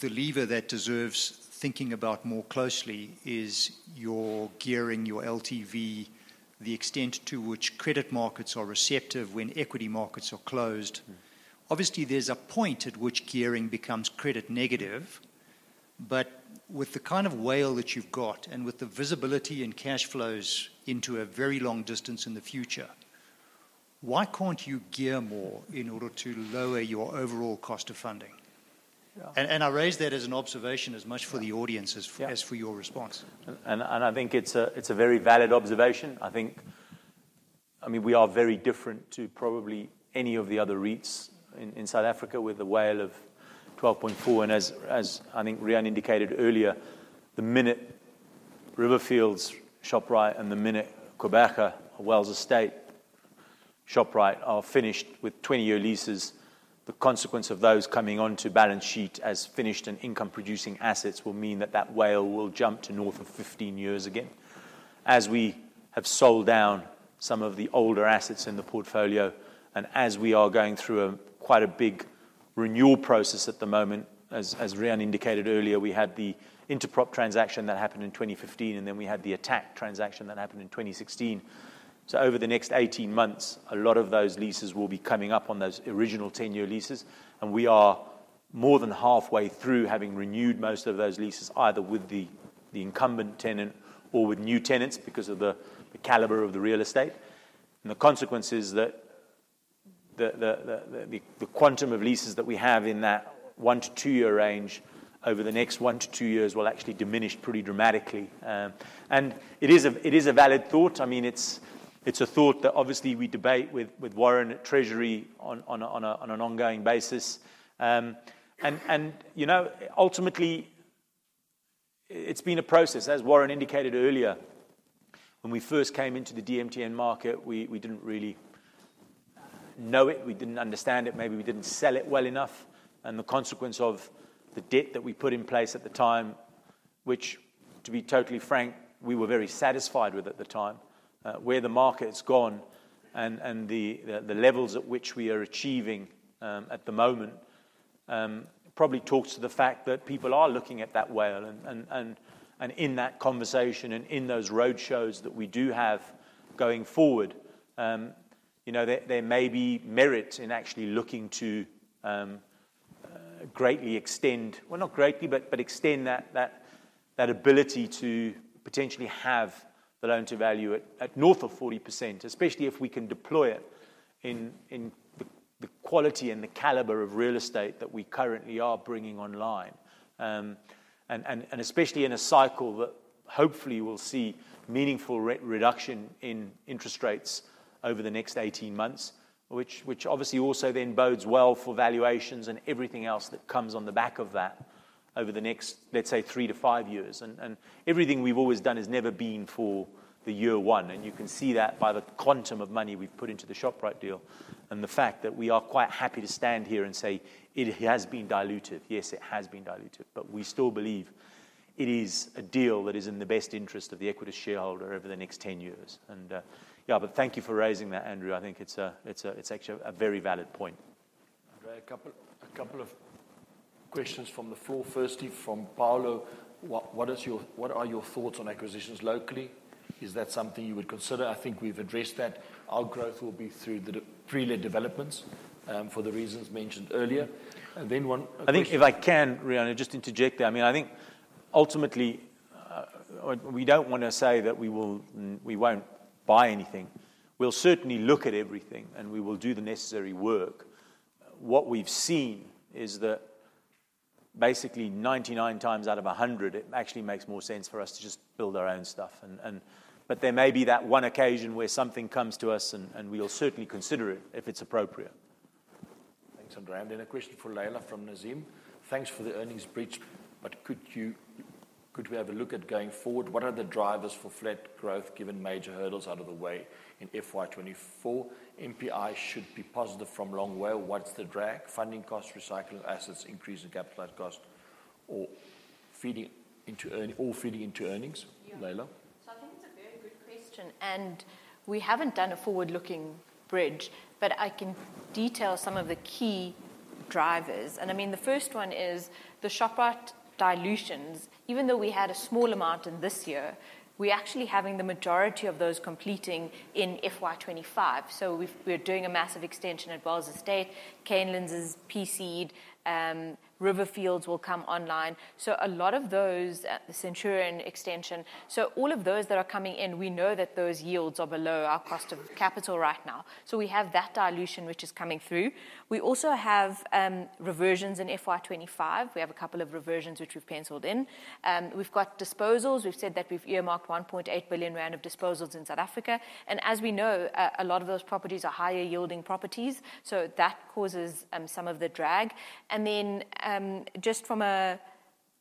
The lever that deserves thinking about more closely is your gearing, your LTV, the extent to which credit markets are receptive when equity markets are closed. Mm-hmm. Obviously, there's a point at which gearing becomes credit negative. With the kind of WALE that you've got, and with the visibility and cash flows into a very long distance in the future, why can't you gear more in order to lower your overall cost of funding? Yeah. I raise that as an observation as much for the audience. Yeah As for your response. I think it's a very valid observation. I mean, we are very different to probably any of the other REITs in South Africa with a WALE of 12.4. I think Rian indicated earlier, the minute Riverfields Shoprite and the minute Gqeberha Wells Estate Shoprite are finished with 20-year leases, the consequence of those coming onto balance sheet as finished and income producing assets will mean that WALE will jump to north of 15 years again. We have sold down some of the older assets in the portfolio, and we are going through quite a big renewal process at the moment. Rian indicated earlier, we had the Intaprop transaction that happened in 2015, and then we had the Attacq transaction that happened in 2016. Over the next 18 months, a lot of those leases will be coming up on those original 10-year leases, and we are more than halfway through having renewed most of those leases, either with the incumbent tenant or with new tenants because of the caliber of the real estate. The consequence is that the quantum of leases that we have in that 1-2-year range over the next 1-2 years will actually diminish pretty dramatically. It is a valid thought. I mean, it's a thought that obviously we debate with Warren at treasury on an ongoing basis. You know, ultimately, it's been a process. As Warren indicated earlier, when we first came into the DMTN market, we didn't really know it. We didn't understand it. Maybe we didn't sell it well enough. The consequence of the debt that we put in place at the time, which, to be totally frank, we were very satisfied with at the time. Where the market's gone and the levels at which we are achieving at the moment probably talks to the fact that people are looking at that WALE. In that conversation and in those roadshows that we do have going forward, you know, there may be merit in actually looking to greatly extend. Well, not greatly, but extend that ability to potentially have the loan-to-value at north of 40%, especially if we can deploy it in the quality and the caliber of real estate that we currently are bringing online. Especially in a cycle that hopefully will see meaningful re-reduction in interest rates over the next 18 months, which obviously also then bodes well for valuations and everything else that comes on the back of that over the next, let's say, 3-5 years. Everything we've always done has never been for the year one, and you can see that by the quantum of money we've put into the Shoprite deal and the fact that we are quite happy to stand here and say, "It has been diluted." Yes, it has been diluted, but we still believe it is a deal that is in the best interest of the Equites shareholder over the next 10 years. Thank you for raising that, Andrew. I think it's actually a very valid point. Andre, a couple of questions from the floor. Firstly, from Paolo. What are your thoughts on acquisitions locally? Is that something you would consider? I think we've addressed that. Our growth will be through the pre-let developments, for the reasons mentioned earlier. Then one question- I think if I can, Rian, just interject there. I mean, I think ultimately, we don't wanna say that we won't buy anything. We'll certainly look at everything, and we will do the necessary work. What we've seen is that basically ninety-nine times out of a hundred, it actually makes more sense for us to just build our own stuff. There may be that one occasion where something comes to us, and we'll certainly consider it if it's appropriate. Thanks, Andre. Then a question for Laila from Nazim. Thanks for the earnings bridge, but could we have a look at going forward? What are the drivers for flat growth given major hurdles out of the way in FY 2024? NPI should be positive from long WALE. What's the drag? Funding cost, recycled assets, increase in capitalized cost, or feeding into earnings? Yeah. Leila. I think it's a very good question, and we haven't done a forward-looking bridge, but I can detail some of the key drivers. I mean, the first one is the Shoprite dilutions. Even though we had a small amount in this year, we're actually having the majority of those completing in FY 2025. We're doing a massive extension at Wells Estate. Canelands is PC'd. Riverfields will come online. A lot of those, the Centurion extension. All of those that are coming in, we know that those yields are below our cost of capital right now. We have that dilution, which is coming through. We also have, reversions in FY 2025. We have a couple of reversions which we've penciled in. We've got disposals. We've said that we've earmarked 1.8 billion rand of disposals in South Africa. As we know, a lot of those properties are higher yielding properties, so that causes some of the drag. Then,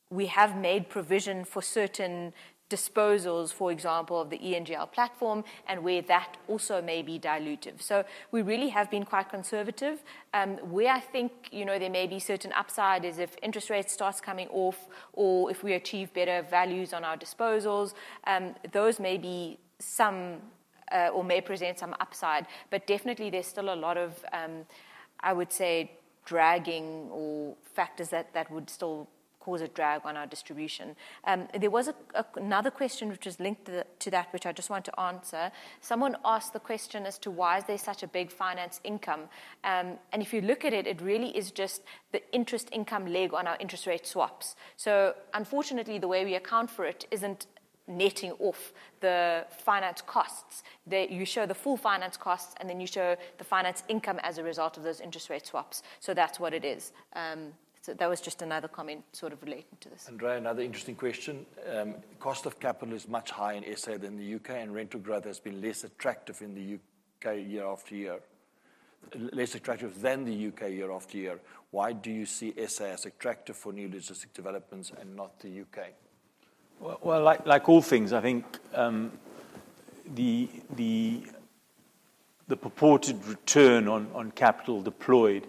we have made provision for certain disposals, for example, of the ENGL platform and where that also may be dilutive. We really have been quite conservative. Where I think, you know, there may be certain upside if interest rates starts coming off or if we achieve better values on our disposals, those may be some, or may present some upside, but definitely there's still a lot of, I would say, dragging or factors that would still cause a drag on our distribution. There was another question which was linked to that which I just want to answer. Someone asked the question as to why is there such a big finance income. If you look at it really is just the interest income leg on our interest rate swaps. Unfortunately, the way we account for it isn't netting off the finance costs. You show the full finance costs, and then you show the finance income as a result of those interest rate swaps. That's what it is. That was just another comment sort of relating to this. Andre, another interesting question. Cost of capital is much higher in SA than the U.K., and rental growth has been less attractive in the U.K. year after year. Why do you see SA as attractive for new logistics developments and not the U.K.? Well, like all things, I think, the purported return on capital deployed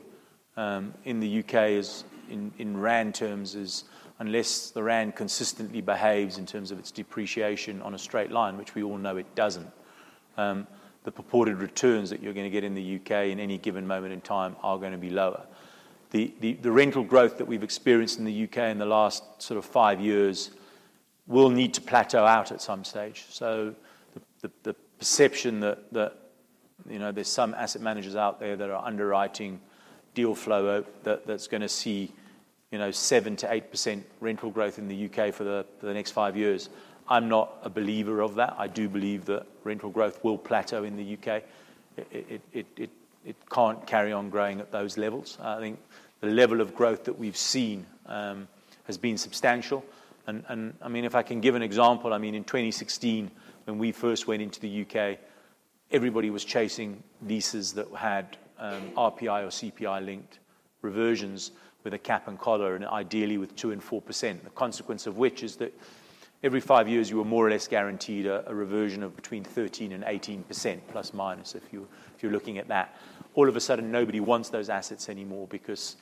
in the U.K. is in rand terms, unless the rand consistently behaves in terms of its depreciation on a straight line, which we all know it doesn't, the purported returns that you're gonna get in the U.K. in any given moment in time are gonna be lower. The rental growth that we've experienced in the U.K. in the last sort of five years will need to plateau out at some stage. The perception that, you know, there's some asset managers out there that are underwriting deal flow that that's gonna see, you know, 7%-8% rental growth in the U.K. for the next five years, I'm not a believer of that. I do believe that rental growth will plateau in the U.K. It can't carry on growing at those levels. I think the level of growth that we've seen has been substantial. I mean, if I can give an example, I mean, in 2016 when we first went into the U.K., everybody was chasing leases that had RPI or CPI-linked reversions with a cap and collar, and ideally with 2%-4%. The consequence of which is that every five years you were more or less guaranteed a reversion of between 13%-18%, plus minus if you're looking at that. All of a sudden, nobody wants those assets anymore because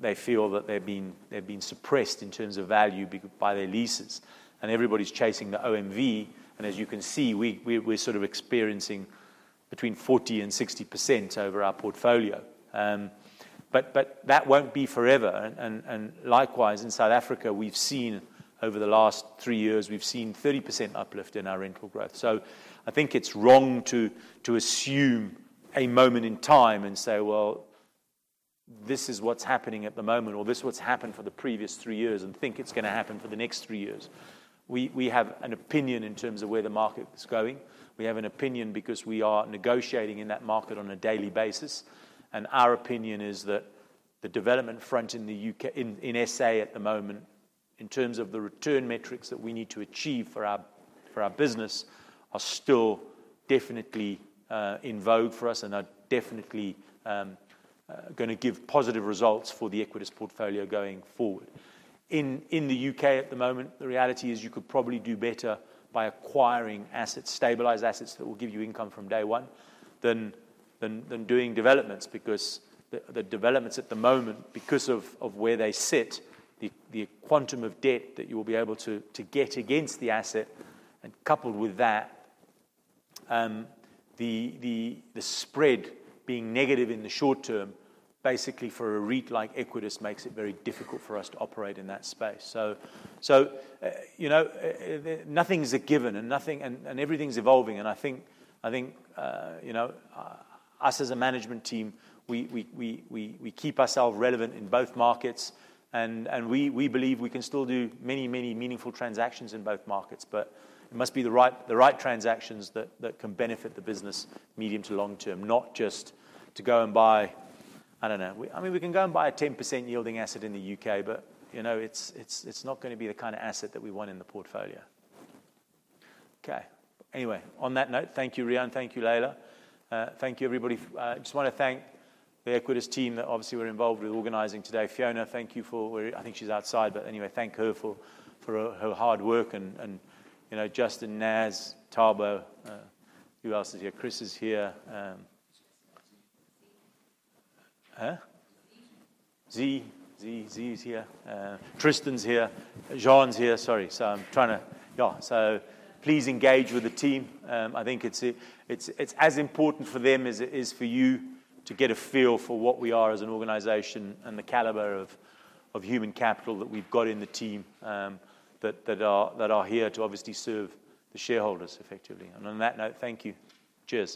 they feel that they're being suppressed in terms of value by their leases, and everybody's chasing the OMV. As you can see, we're sort of experiencing between 40% and 60% over our portfolio. That won't be forever. Likewise, in South Africa, we've seen, over the last three years, 30% uplift in our rental growth. I think it's wrong to assume a moment in time and say, "Well, this is what's happening at the moment," or, "This is what's happened for the previous three years," and think it's gonna happen for the next three years. We have an opinion in terms of where the market is going. We have an opinion because we are negotiating in that market on a daily basis, and our opinion is that the development front in SA at the moment, in terms of the return metrics that we need to achieve for our business, are still definitely in vogue for us and are definitely gonna give positive results for the Equites portfolio going forward. In the UK at the moment, the reality is you could probably do better by acquiring assets, stabilized assets, that will give you income from day one than doing developments, because the developments at the moment, because of where they sit, the quantum of debt that you will be able to get against the asset, and coupled with that, the spread being negative in the short term, basically for a REIT like Equites makes it very difficult for us to operate in that space. So, you know, nothing's a given, and nothing and everything's evolving. I think, you know, us as a management team, we keep ourself relevant in both markets, and we believe we can still do many meaningful transactions in both markets. It must be the right transactions that can benefit the business medium to long term, not just to go and buy, I don't know. I mean, we can go and buy a 10% yielding asset in the U.K., but, you know, it's not gonna be the kinda asset that we want in the portfolio. Okay. Anyway, on that note, thank you, Rian. Thank you, Leila. Thank you, everybody. I just wanna thank the Equites team that obviously were involved with organizing today. Fiona, thank you for, I think she's outside, but anyway, thank her for her hard work and, you know, Justin, Naz, Thabo, who else is here? Chris is here. Zee. Zee is here. Tristan's here. Jean's here. Sorry. Please engage with the team. I think it's as important for them as it is for you to get a feel for what we are as an organization and the caliber of human capital that we've got in the team that are here to obviously serve the shareholders effectively. On that note, thank you. Cheers